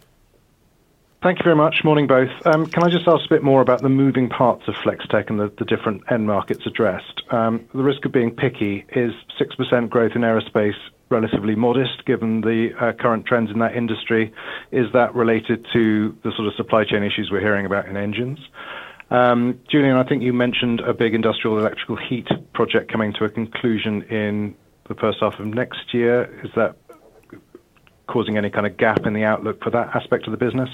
Thank you very much. Morning, both. Can I just ask a bit more about the moving parts of Flex-Tek and the different end markets addressed? The risk of being picky is 6% growth in aerospace, relatively modest given the current trends in that industry. Is that related to the sort of supply chain issues we're hearing about in engines? Julian, I think you mentioned a big industrial electrical heat project coming to a conclusion in the first half of next year. Is that causing any kind of gap in the outlook for that aspect of the business?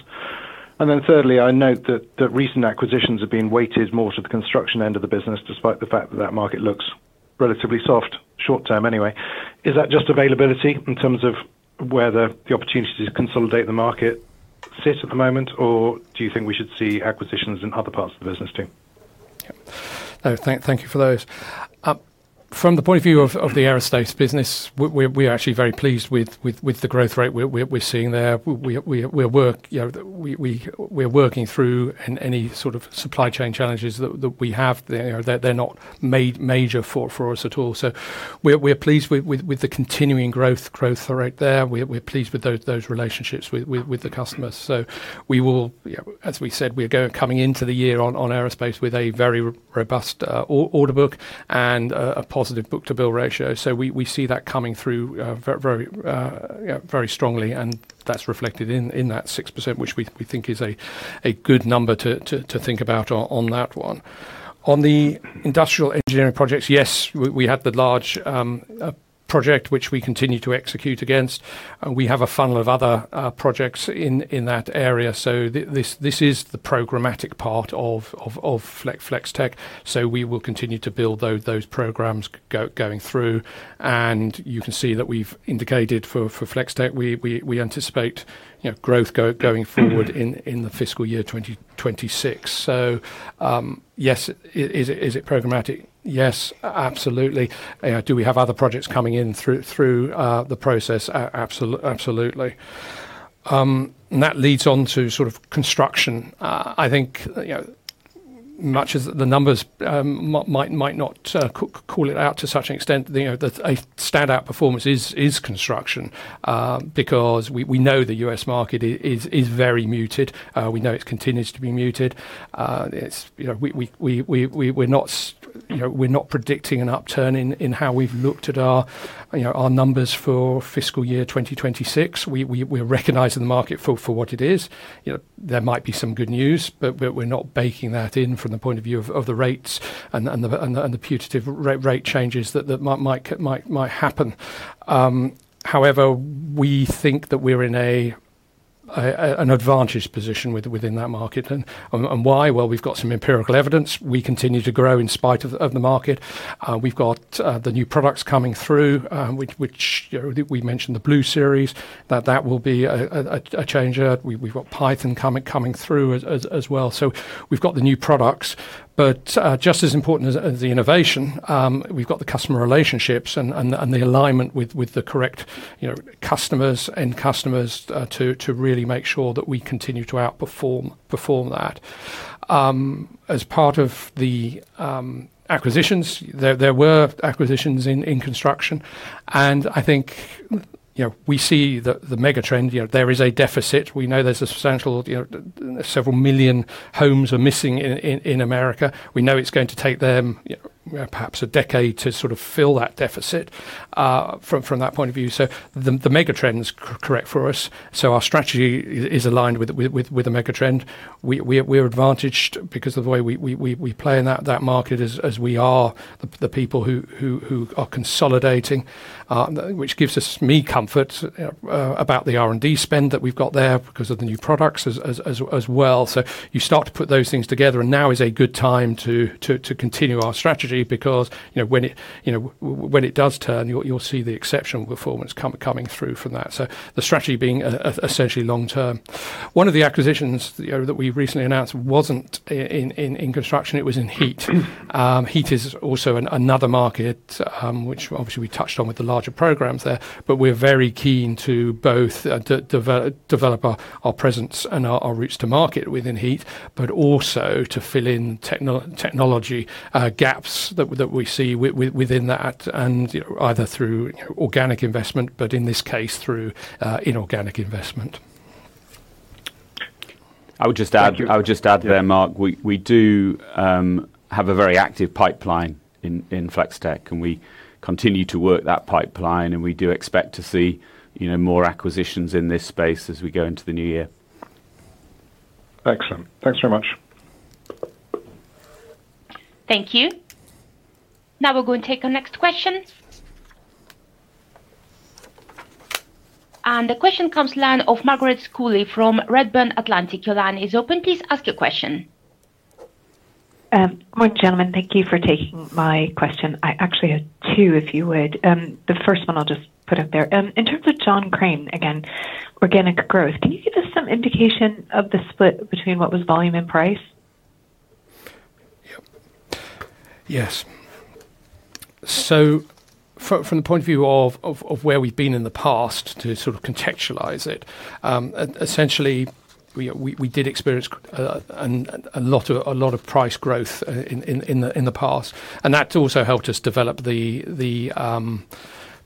Thirdly, I note that recent acquisitions have been weighted more to the construction end of the business, despite the fact that that market looks relatively soft, short term anyway. Is that just availability in terms of where the opportunity to consolidate the market sits at the moment, or do you think we should see acquisitions in other parts of the business too? Thank you for those. From the point of view of the aerospace business, we're actually very pleased with the growth rate we're seeing there. We're working through any sort of supply chain challenges that we have. They're not major fault for us at all. We're pleased with the continuing growth rate there. We're pleased with those relationships with the customers. We will, as we said, we're coming into the year on aerospace with a very robust order book and a positive book-to-bill ratio. We see that coming through very strongly, and that's reflected in that 6%, which we think is a good number to think about on that one. On the industrial engineering projects, yes, we had the large project, which we continue to execute against. We have a funnel of other projects in that area. This is the programmatic part of Flex-Tek. We will continue to build those programs going through. You can see that we've indicated for Flex-Tek, we anticipate growth going forward in the fiscal year 2026. Yes, is it programmatic? Yes, absolutely. Do we have other projects coming in through the process? Absolutely. That leads on to sort of construction. I think much of the numbers might not call it out to such an extent that a standout performance is construction because we know the U.S. market is very muted. We know it continues to be muted. We're not predicting an upturn in how we've looked at our numbers for fiscal year 2026. We're recognizing the market for what it is. There might be some good news, but we're not baking that in from the point of view of the rates and the putative rate changes that might happen. However, we think that we're in an advantaged position within that market. Why? We've got some empirical evidence. We continue to grow in spite of the market. We've got the new products coming through, which we mentioned, the Blue Series duct system, that will be a changer. We've got Python coming through as well. We've got the new products. Just as important as the innovation, we've got the customer relationships and the alignment with the correct customers to really make sure that we continue to outperform that. As part of the acquisitions, there were acquisitions in construction. I think we see the megatrend. There is a deficit. We know there's a substantial several million homes missing in America. We know it's going to take them perhaps a decade to fill that deficit from that point of view. The megatrend is correct for us. Our strategy is aligned with the megatrend. We're advantaged because of the way we play in that market as we are the people who are consolidating, which gives me comfort about the R&D spend that we've got there because of the new products as well. You start to put those things together, and now is a good time to continue our strategy because when it does turn, you'll see the exceptional performance coming through from that. The strategy is essentially long term. One of the acquisitions that we recently announced wasn't in construction. It was in heat. Heat is also another market, which obviously we touched on with the larger programs there. We're very keen to both develop our presence and our routes to market within heat, but also to fill in technology gaps that we see within that, either through organic investment, but in this case, through inorganic investment. I would just add there, Mark, we do have a very active pipeline in Flex-Tek, and we continue to work that pipeline, and we do expect to see more acquisitions in this space as we go into the new year. Excellent. Thanks very much. Thank you. Now we're going to take our next question. The question comes to the line of Margaret Schooly from Redburn Atlantic. Your line is open. Please ask your question. Morning, gentlemen. Thank you for taking my question. I actually had two, if you would. The first one I'll just put up there. In terms of John Crane, again, organic growth, can you give us some indication of the split between what was volume and price? Yes. From the point of view of where we've been in the past, to contextualize it, essentially, we did experience a lot of price growth in the past. That's also helped us develop the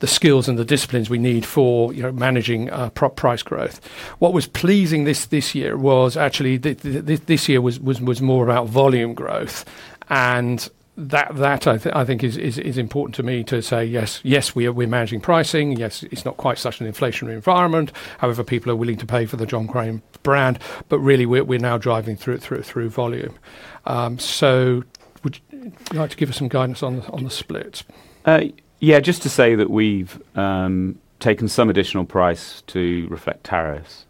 skills and the disciplines we need for managing price growth. What was pleasing this year was actually this year was more about volume growth. That, I think, is important to me to say, yes, yes, we're managing pricing. Yes, it's not quite such an inflationary environment. However, people are willing to pay for the John Crane brand. We're now driving through volume. Would you like to give us some guidance on the split? Yeah, just to say that we've taken some additional price to reflect tariffs.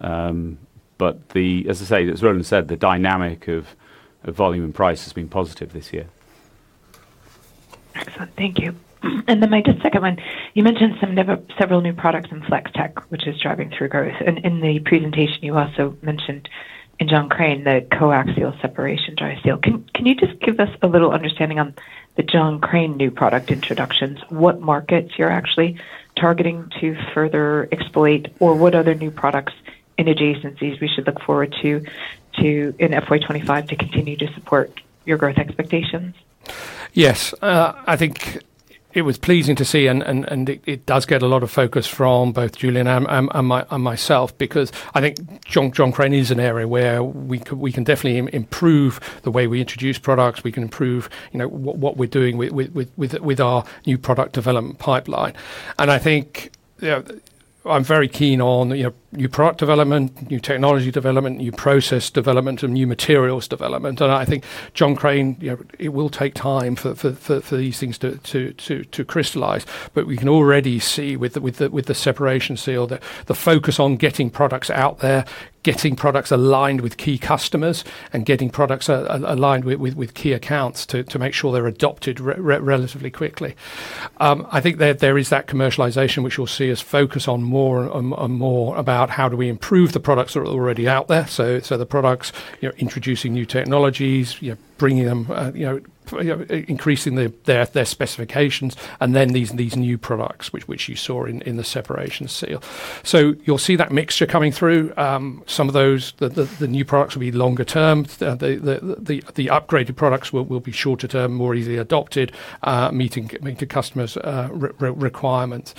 As I said, as Roland said, the dynamic of volume and price has been positive this year. Excellent. Thank you. My second one, you mentioned several new products in Flex-Tek, which is driving through growth. In the presentation, you also mentioned in John Crane the coaxial separation dry gas seal. Can you just give us a little understanding on the John Crane new product introductions? What markets you're actually targeting to further exploit, or what other new products and adjacencies we should look forward to in fiscal year 2025 to continue to support your growth expectations? Yes, I think it was pleasing to see, and it does get a lot of focus from both Julian and myself because I think John Crane is an area where we can definitely improve the way we introduce products. We can improve what we're doing with our new product development pipeline. I think I'm very keen on new product development, new technology development, new process development, and new materials development. I think John Crane, it will take time for these things to crystallize. We can already see with the separation seal that the focus on getting products out there, getting products aligned with key customers, and getting products aligned with key accounts to make sure they're adopted relatively quickly. I think there is that commercialization, which you'll see us focus on more and more about how do we improve the products that are already out there. The products introducing new technologies, bringing them, increasing their specifications, and then these new products, which you saw in the separation seal. You'll see that mixture coming through. Some of those new products will be longer term. The upgraded products will be shorter term, more easily adopted, meeting customers' requirements.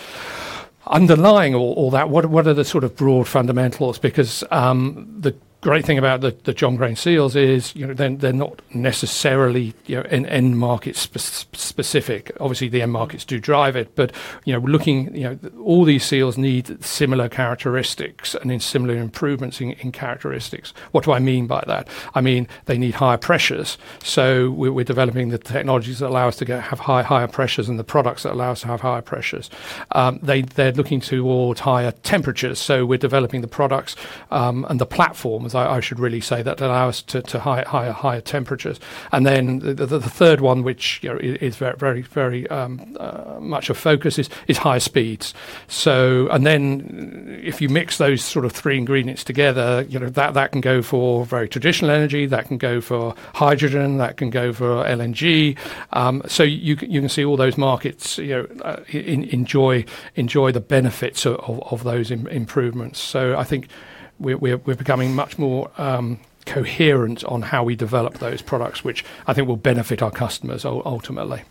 Underlying all that, what are the sort of broad fundamentals? The great thing about the John Crane seals is they're not necessarily end market specific. Obviously, the end markets do drive it, but looking, all these seals need similar characteristics and need similar improvements in characteristics. What do I mean by that? I mean, they need higher pressures. We're developing the technologies that allow us to have higher pressures and the products that allow us to have higher pressures. They're looking towards higher temperatures. We're developing the products and the platforms, I should really say, that allow us to higher temperatures. The third one, which is very, very much of focus, is high speeds. If you mix those sort of three ingredients together, you know that can go for very traditional energy, that can go for hydrogen, that can go for LNG. You can see all those markets enjoy the benefits of those improvements. I think we're becoming much more coherent on how we develop those products, which I think will benefit our customers ultimately.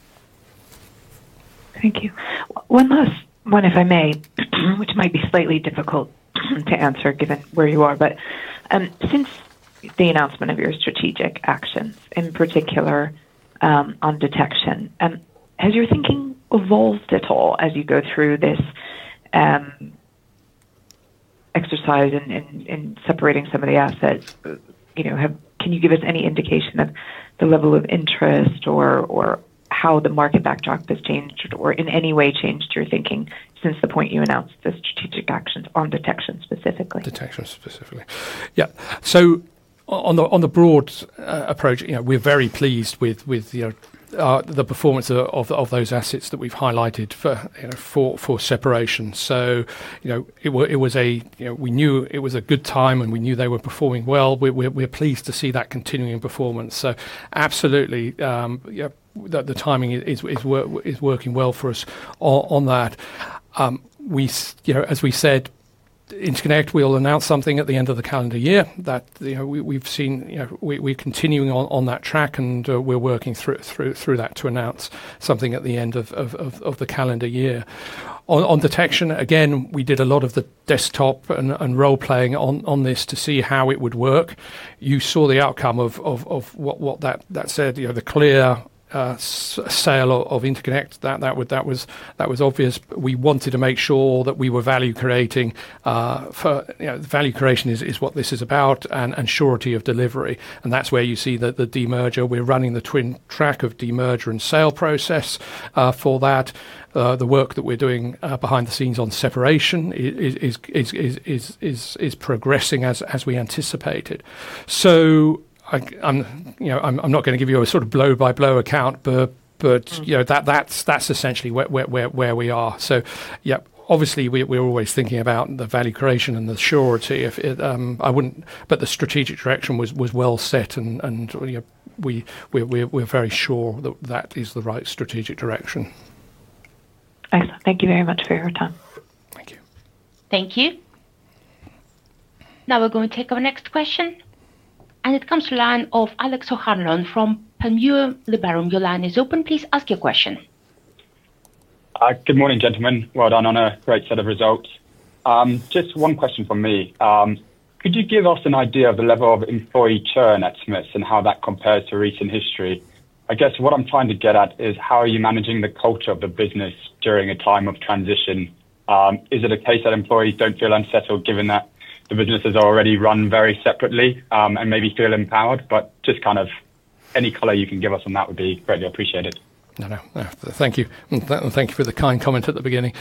Thank you. One last one, if I may, which might be slightly difficult to answer given where you are, but since the announcement of your strategic actions, in particular on detection, has your thinking evolved at all as you go through this exercise in separating some of the assets? Can you give us any indication of the level of interest or how the market backdrop has changed or in any way changed your thinking since the point you announced the strategic actions on detection specifically? Detection specifically. Yeah. On the broad approach, we're very pleased with the performance of those assets that we've highlighted for separation. We knew it was a good time and we knew they were performing well. We're pleased to see that continuing performance. Absolutely, the timing is working well for us on that. As we said, Interconnect, we'll announce something at the end of the calendar year. We've seen we're continuing on that track and we're working through that to announce something at the end of the calendar year. On Detection, again, we did a lot of the desktop and role-playing on this to see how it would work. You saw the outcome of what that said, the clear sale of Interconnect. That was obvious. We wanted to make sure that we were value creating. Value creation is what this is about and surety of delivery. That's where you see the demerger. We're running the twin track of demerger and sale process for that. The work that we're doing behind the scenes on separation is progressing as we anticipated. I'm not going to give you a sort of blow-by-blow account, but that's essentially where we are. Obviously, we're always thinking about the value creation and the surety. The strategic direction was well set and we're very sure that that is the right strategic direction. Excellent. Thank you very much for your time. Thank you. Thank you. Now we're going to take our next question. It comes to the line of Alex O'Hanlon from Panmure Liberum. Your line is open. Please ask your question. Good morning, gentlemen. Well done on a great set of results. Just one question from me. Could you give us an idea of the level of employee churn at Smiths Group and how that compares to recent history? I guess what I'm trying to get at is how are you managing the culture of the business during a time of transition? Is it a case that employees don't feel unsettled given that the business has already run very separately and maybe feel empowered? Any color you can give us on that would be greatly appreciated. No, no, thank you. Thank you for the kind comment at the beginning.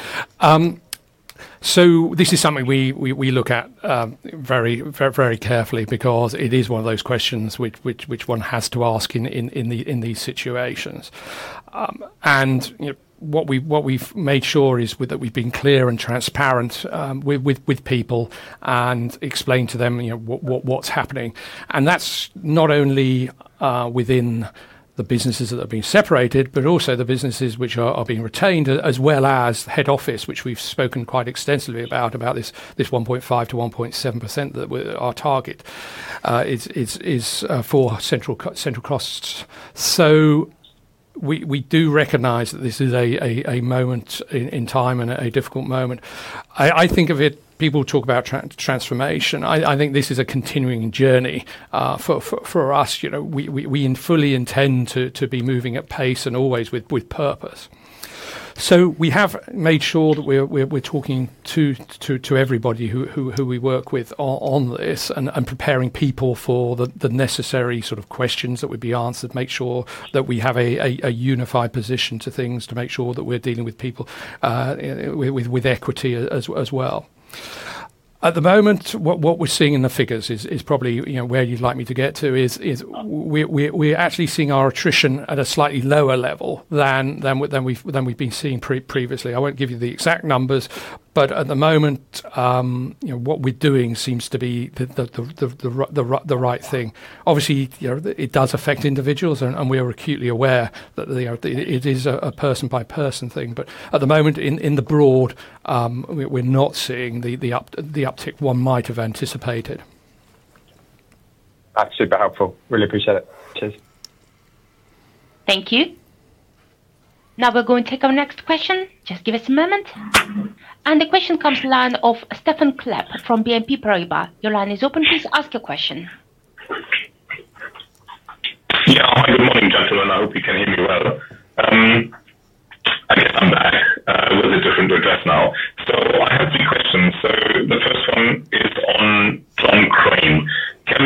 This is something we look at very, very carefully because it is one of those questions which one has to ask in these situations. What we've made sure is that we've been clear and transparent with people and explained to them what's happening. That's not only within the businesses that have been separated, but also the businesses which are being retained, as well as the head office, which we've spoken quite extensively about, about this 1.5 to 1.7% that our target is for central costs. We do recognize that this is a moment in time and a difficult moment. I think of it, people talk about transformation. I think this is a continuing journey. For us, you know we fully intend to be moving at pace and always with purpose. We have made sure that we're talking to everybody who we work with on this and preparing people for the necessary sort of questions that would be answered, make sure that we have a unified position to things to make sure that we're dealing with people with equity as well. At the moment, what we're seeing in the figures is probably where you'd like me to get to is we're actually seeing our attrition at a slightly lower level than we've been seeing previously. I won't give you the exact numbers, but at the moment, you know what we're doing seems to be the right thing. Obviously, it does affect individuals, and we are acutely aware that it is a person-by-person thing. At the moment, in the broad, we're not seeing the uptick one might have anticipated. That's super helpful. Really appreciate it. Thank you. Now we're going to take our next question. Just give us a moment. The question comes to the line of Stephan Klepp from BNP Paribas. Your line is open. Please. Ask a question. I'm calling because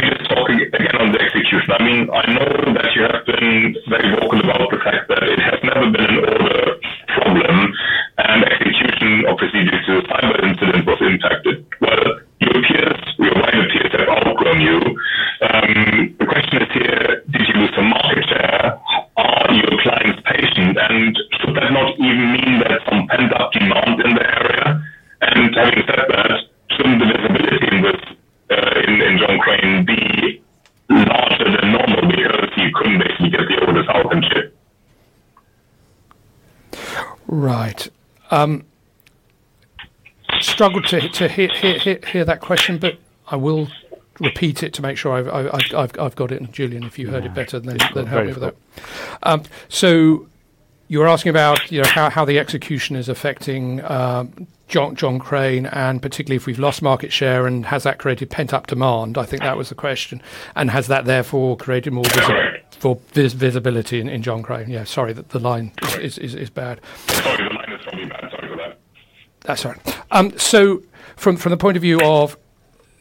this is already, it's a Sunday situation. I'm not able to share the meeting because I'm in the Zoom time, but instead of the Zoom chat, it shares your message there. I'm not going to. The question is, did you meet someone? Is there, even Clare is pacing, and I'm not even meaning that it's the conducting man from the area. I'm just, some of the specifics being so crazy. There's no one who shows the connectivity and so on. Right. I struggled to hear that question, but I will repeat it to make sure I've got it. Julian, if you heard it better, then happy with that. Okay. You were asking about how the execution is affecting John Crane, and particularly if we've lost market share and has that created pent-up demand. I think that was the question, and has that therefore created more visibility in John Crane. Sorry, the line is bad. That's all right. From the point of view of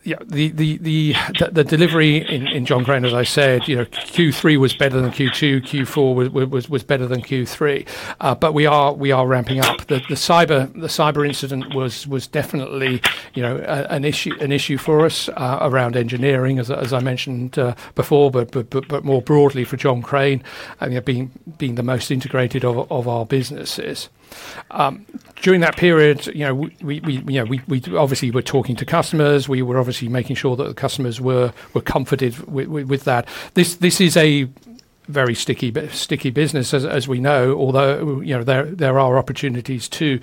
the delivery in John Crane, as I said, Q3 was better than Q2. Q4 was better than Q3, but we are ramping up. The cyber incident was definitely an issue for us around engineering, as I mentioned before, but more broadly for John Crane, being the most integrated of our businesses. During that period, we were obviously talking to customers. We were obviously making sure that the customers were comforted with that. This is a very sticky business, as we know, although there are opportunities to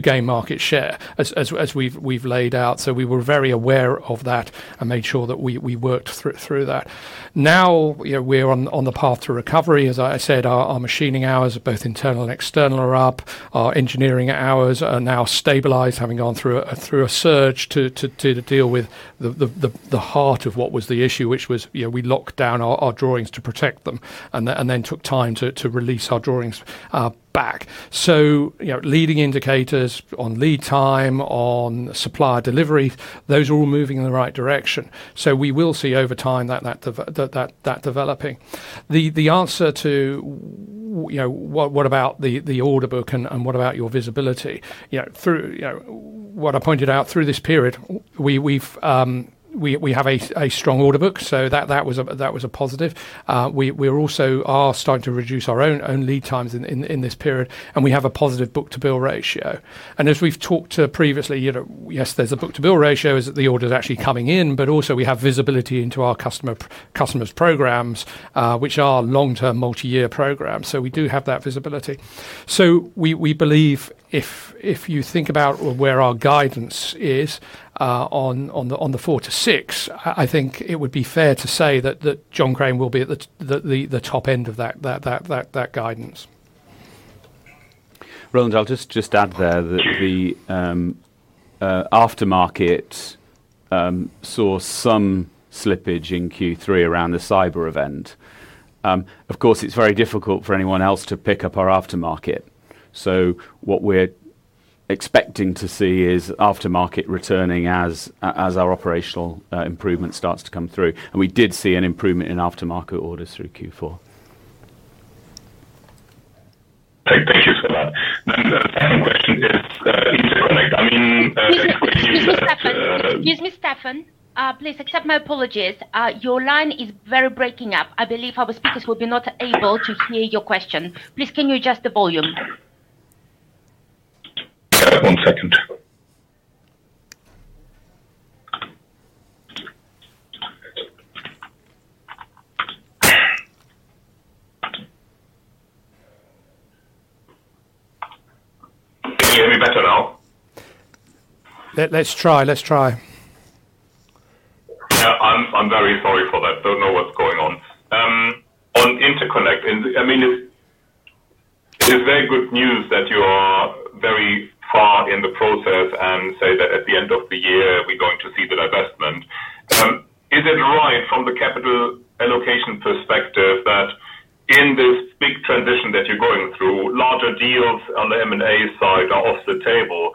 gain market share as we've laid out. We were very aware of that and made sure that we worked through that. Now we're on the path to recovery. As I said, our machining hours, both internal and external, are up. Our engineering hours are now stabilized, having gone through a surge to deal with the heart of what was the issue, which was we locked down our drawings to protect them, and then took time to release our drawings back. Leading indicators on lead time, on supplier delivery, those are all moving in the right direction. We will see over time that developing. The answer to what about the order book and what about your visibility, through what I pointed out, through this period, we have a strong order book, so that was a positive. We also are starting to reduce our own lead times in this period, and we have a positive book-to-bill ratio. As we've talked previously, yes, there's a book-to-bill ratio as the orders are actually coming in, but also we have visibility into our customers' programs, which are long-term, multi-year programs. We do have that visibility. We believe if you think about where our guidance is, on the four to six, I think it would be fair to say that John Crane will be at the top end of that guidance. Roland, I'll just add there that the aftermarket saw some slippage in Q3 around the cyber incident. Of course, it's very difficult for anyone else to pick up our aftermarket. What we're expecting to see is aftermarket returning as our operational improvement starts to come through. We did see an improvement in aftermarket orders through Q4. Excuse me, Stephan. Please accept my apologies. Your line is breaking up. I believe our speakers will not be able to hear your question. Please, can you adjust the volume? One second. Can you hear me? Let's try. I'm very sorry for that. Don't know what's going on. On Interconnect, it's very good news that you are very far in the process and say that at the end of the year, we're going to see the divestment. Is it right from the capital allocation perspective that in this big transition that you're going through, larger deals on the M&A side are off the table?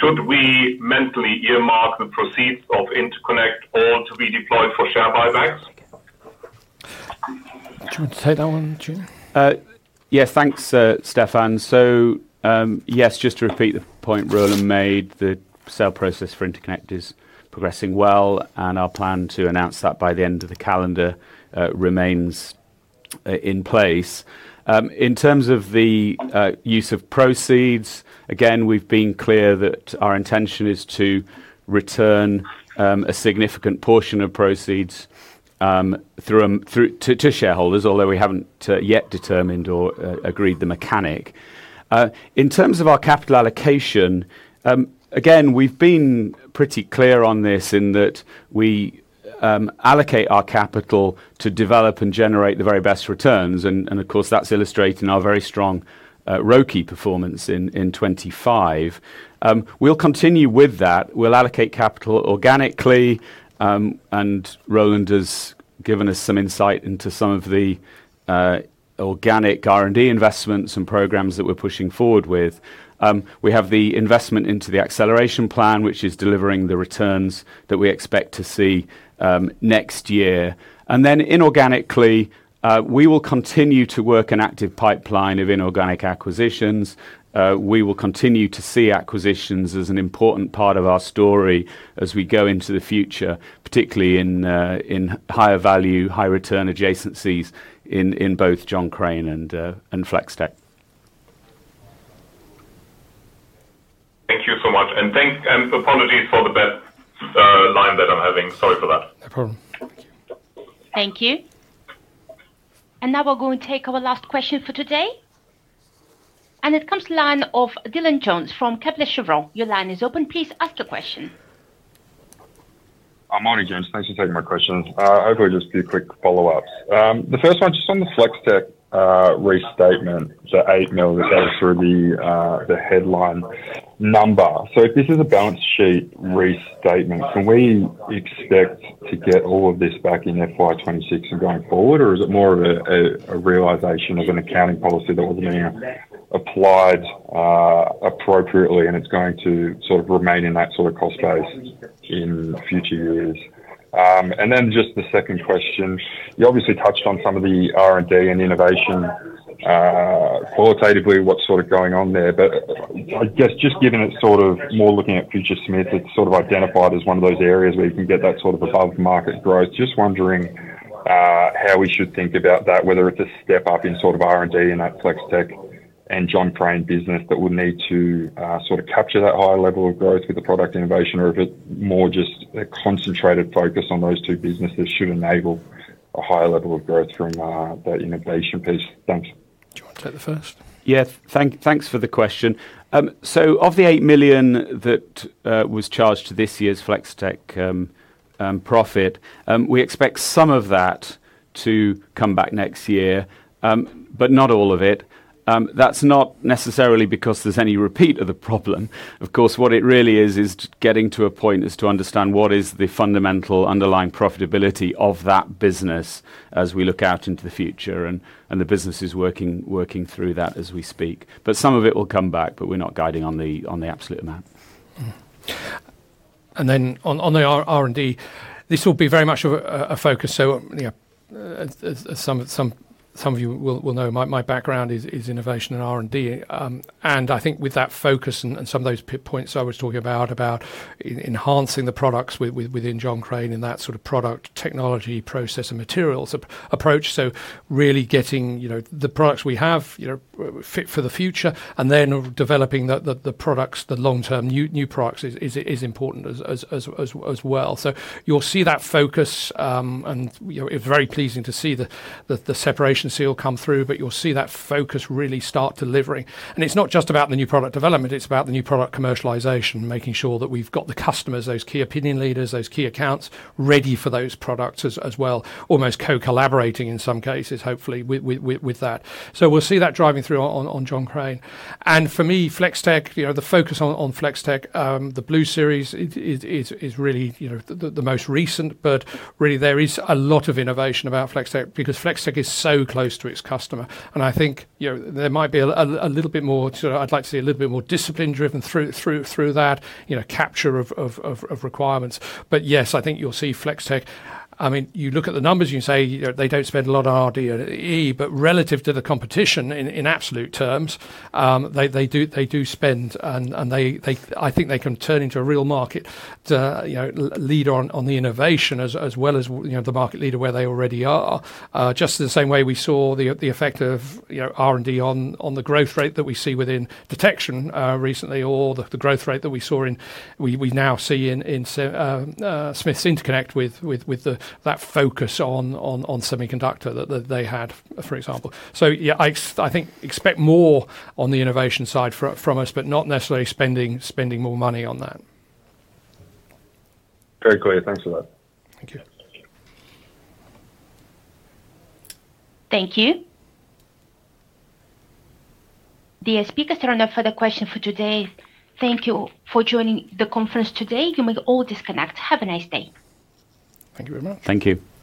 Should we mentally earmark the proceeds of Interconnect all to be deployed for? That's a good take, that one, Julian. Yeah, thanks, Stephan. Yes, just to repeat the point Roland made, the sale process for Smiths Interconnect is progressing well, and our plan to announce that by the end of the calendar year remains in place. In terms of the use of proceeds, we've been clear that our intention is to return a significant portion of proceeds through to shareholders, although we haven't yet determined or agreed the mechanic. In terms of our capital allocation, we've been pretty clear on this in that we allocate our capital to develop and generate the very best returns. Of course, that's illustrating our very strong, rookie performance in 2025. We'll continue with that. We'll allocate capital organically, and Roland has given us some insight into some of the organic R&D investments and programs that we're pushing forward with. We have the investment into the acceleration plan, which is delivering the returns that we expect to see next year. Then inorganically, we will continue to work an active pipeline of inorganic acquisitions. We will continue to see acquisitions as an important part of our story as we go into the future, particularly in higher value, high-return adjacencies in both John Crane and Flex-Tek. Thank you so much. Thank you and apologies for the bad line that I'm having. Sorry for that. No problem. Thank you. We are going to take our last question for today. It comes from the line of Dylan Jones from Kepler Cheuvreux. Your line is open. Please ask a question. Morning James. Thanks for taking my question. Overall, just a few quick follow-ups. The first one's just on the Flex-Tek restatement. It's an $8 million. It goes through the headline number. This is a balance sheet restatement. Can we expect to get all of this back in fiscal year 2026 and going forward, or is it more of a realization of an accounting policy that wasn't being applied appropriately, and it's going to sort of remain in that sort of cost base in future years? Then just the second question. You obviously touched on some of the R&D and innovation, qualitatively, what's sort of going on there. I guess just given it's more looking at future Smiths Group, it's identified as one of those areas where you can get that sort of above-market growth. Just wondering how we should think about that, whether it's a step up in R&D in that Flex-Tek and John Crane business that would need to capture that higher level of growth with the product innovation, or if it's more just a concentrated focus on those two businesses that should enable a higher level of growth from the innovation piece. Thanks. You want to take the first? Yeah, thanks for the question. Of the $8 million that was charged to this year's Flex-Tek profit, we expect some of that to come back next year, but not all of it. That's not necessarily because there's any repeat of the problem. What it really is, is getting to a point to understand what is the fundamental underlying profitability of that business as we look out into the future. The business is working through that as we speak. Some of it will come back, but we're not guiding on the absolute amount. On the R&D, this will be very much a focus. As some of you will know, my background is innovation and R&D. I think with that focus and some of those points I was talking about, about enhancing the products within John Crane in that sort of product technology process and materials approach, really getting the products we have fit for the future, and then developing the products, the long-term new products, is important as well. You'll see that focus, and it's very pleasing to see the separation seal come through, but you'll see that focus really start delivering. It's not just about the new product development. It's about the new product commercialization, making sure that we've got the customers, those key opinion leaders, those key accounts ready for those products as well, almost co-collaborating in some cases, hopefully, with that. We'll see that driving through on John Crane. For me, Flex-Tek, the focus on Flex-Tek, the Blue Series, is really the most recent, but really, there is a lot of innovation about Flex-Tek because Flex-Tek is so close to its customer. I think there might be a little bit more, sort of I'd like to see a little bit more discipline driven through that capture of requirements. Yes, I think you'll see Flex-Tek, I mean, you look at the numbers and you say they don't spend a lot of R&D, but relative to the competition in absolute terms, they do spend, and I think they can turn into a real market leader on the innovation as well as the market leader where they already are, just in the same way we saw the effect of R&D on the growth rate that we see within Smiths Detection recently, or the growth rate that we now see in Smiths Interconnect with that focus on semiconductor that they had, for example. I think expect more on the innovation side from us, but not necessarily spending more money on that. Okay, clear. Thanks for that. Thank you. Thank you. The speakers are on the third question for today. Thank you for joining the conference today. You may all disconnect. Have a nice day. Thank you very much. Thank you.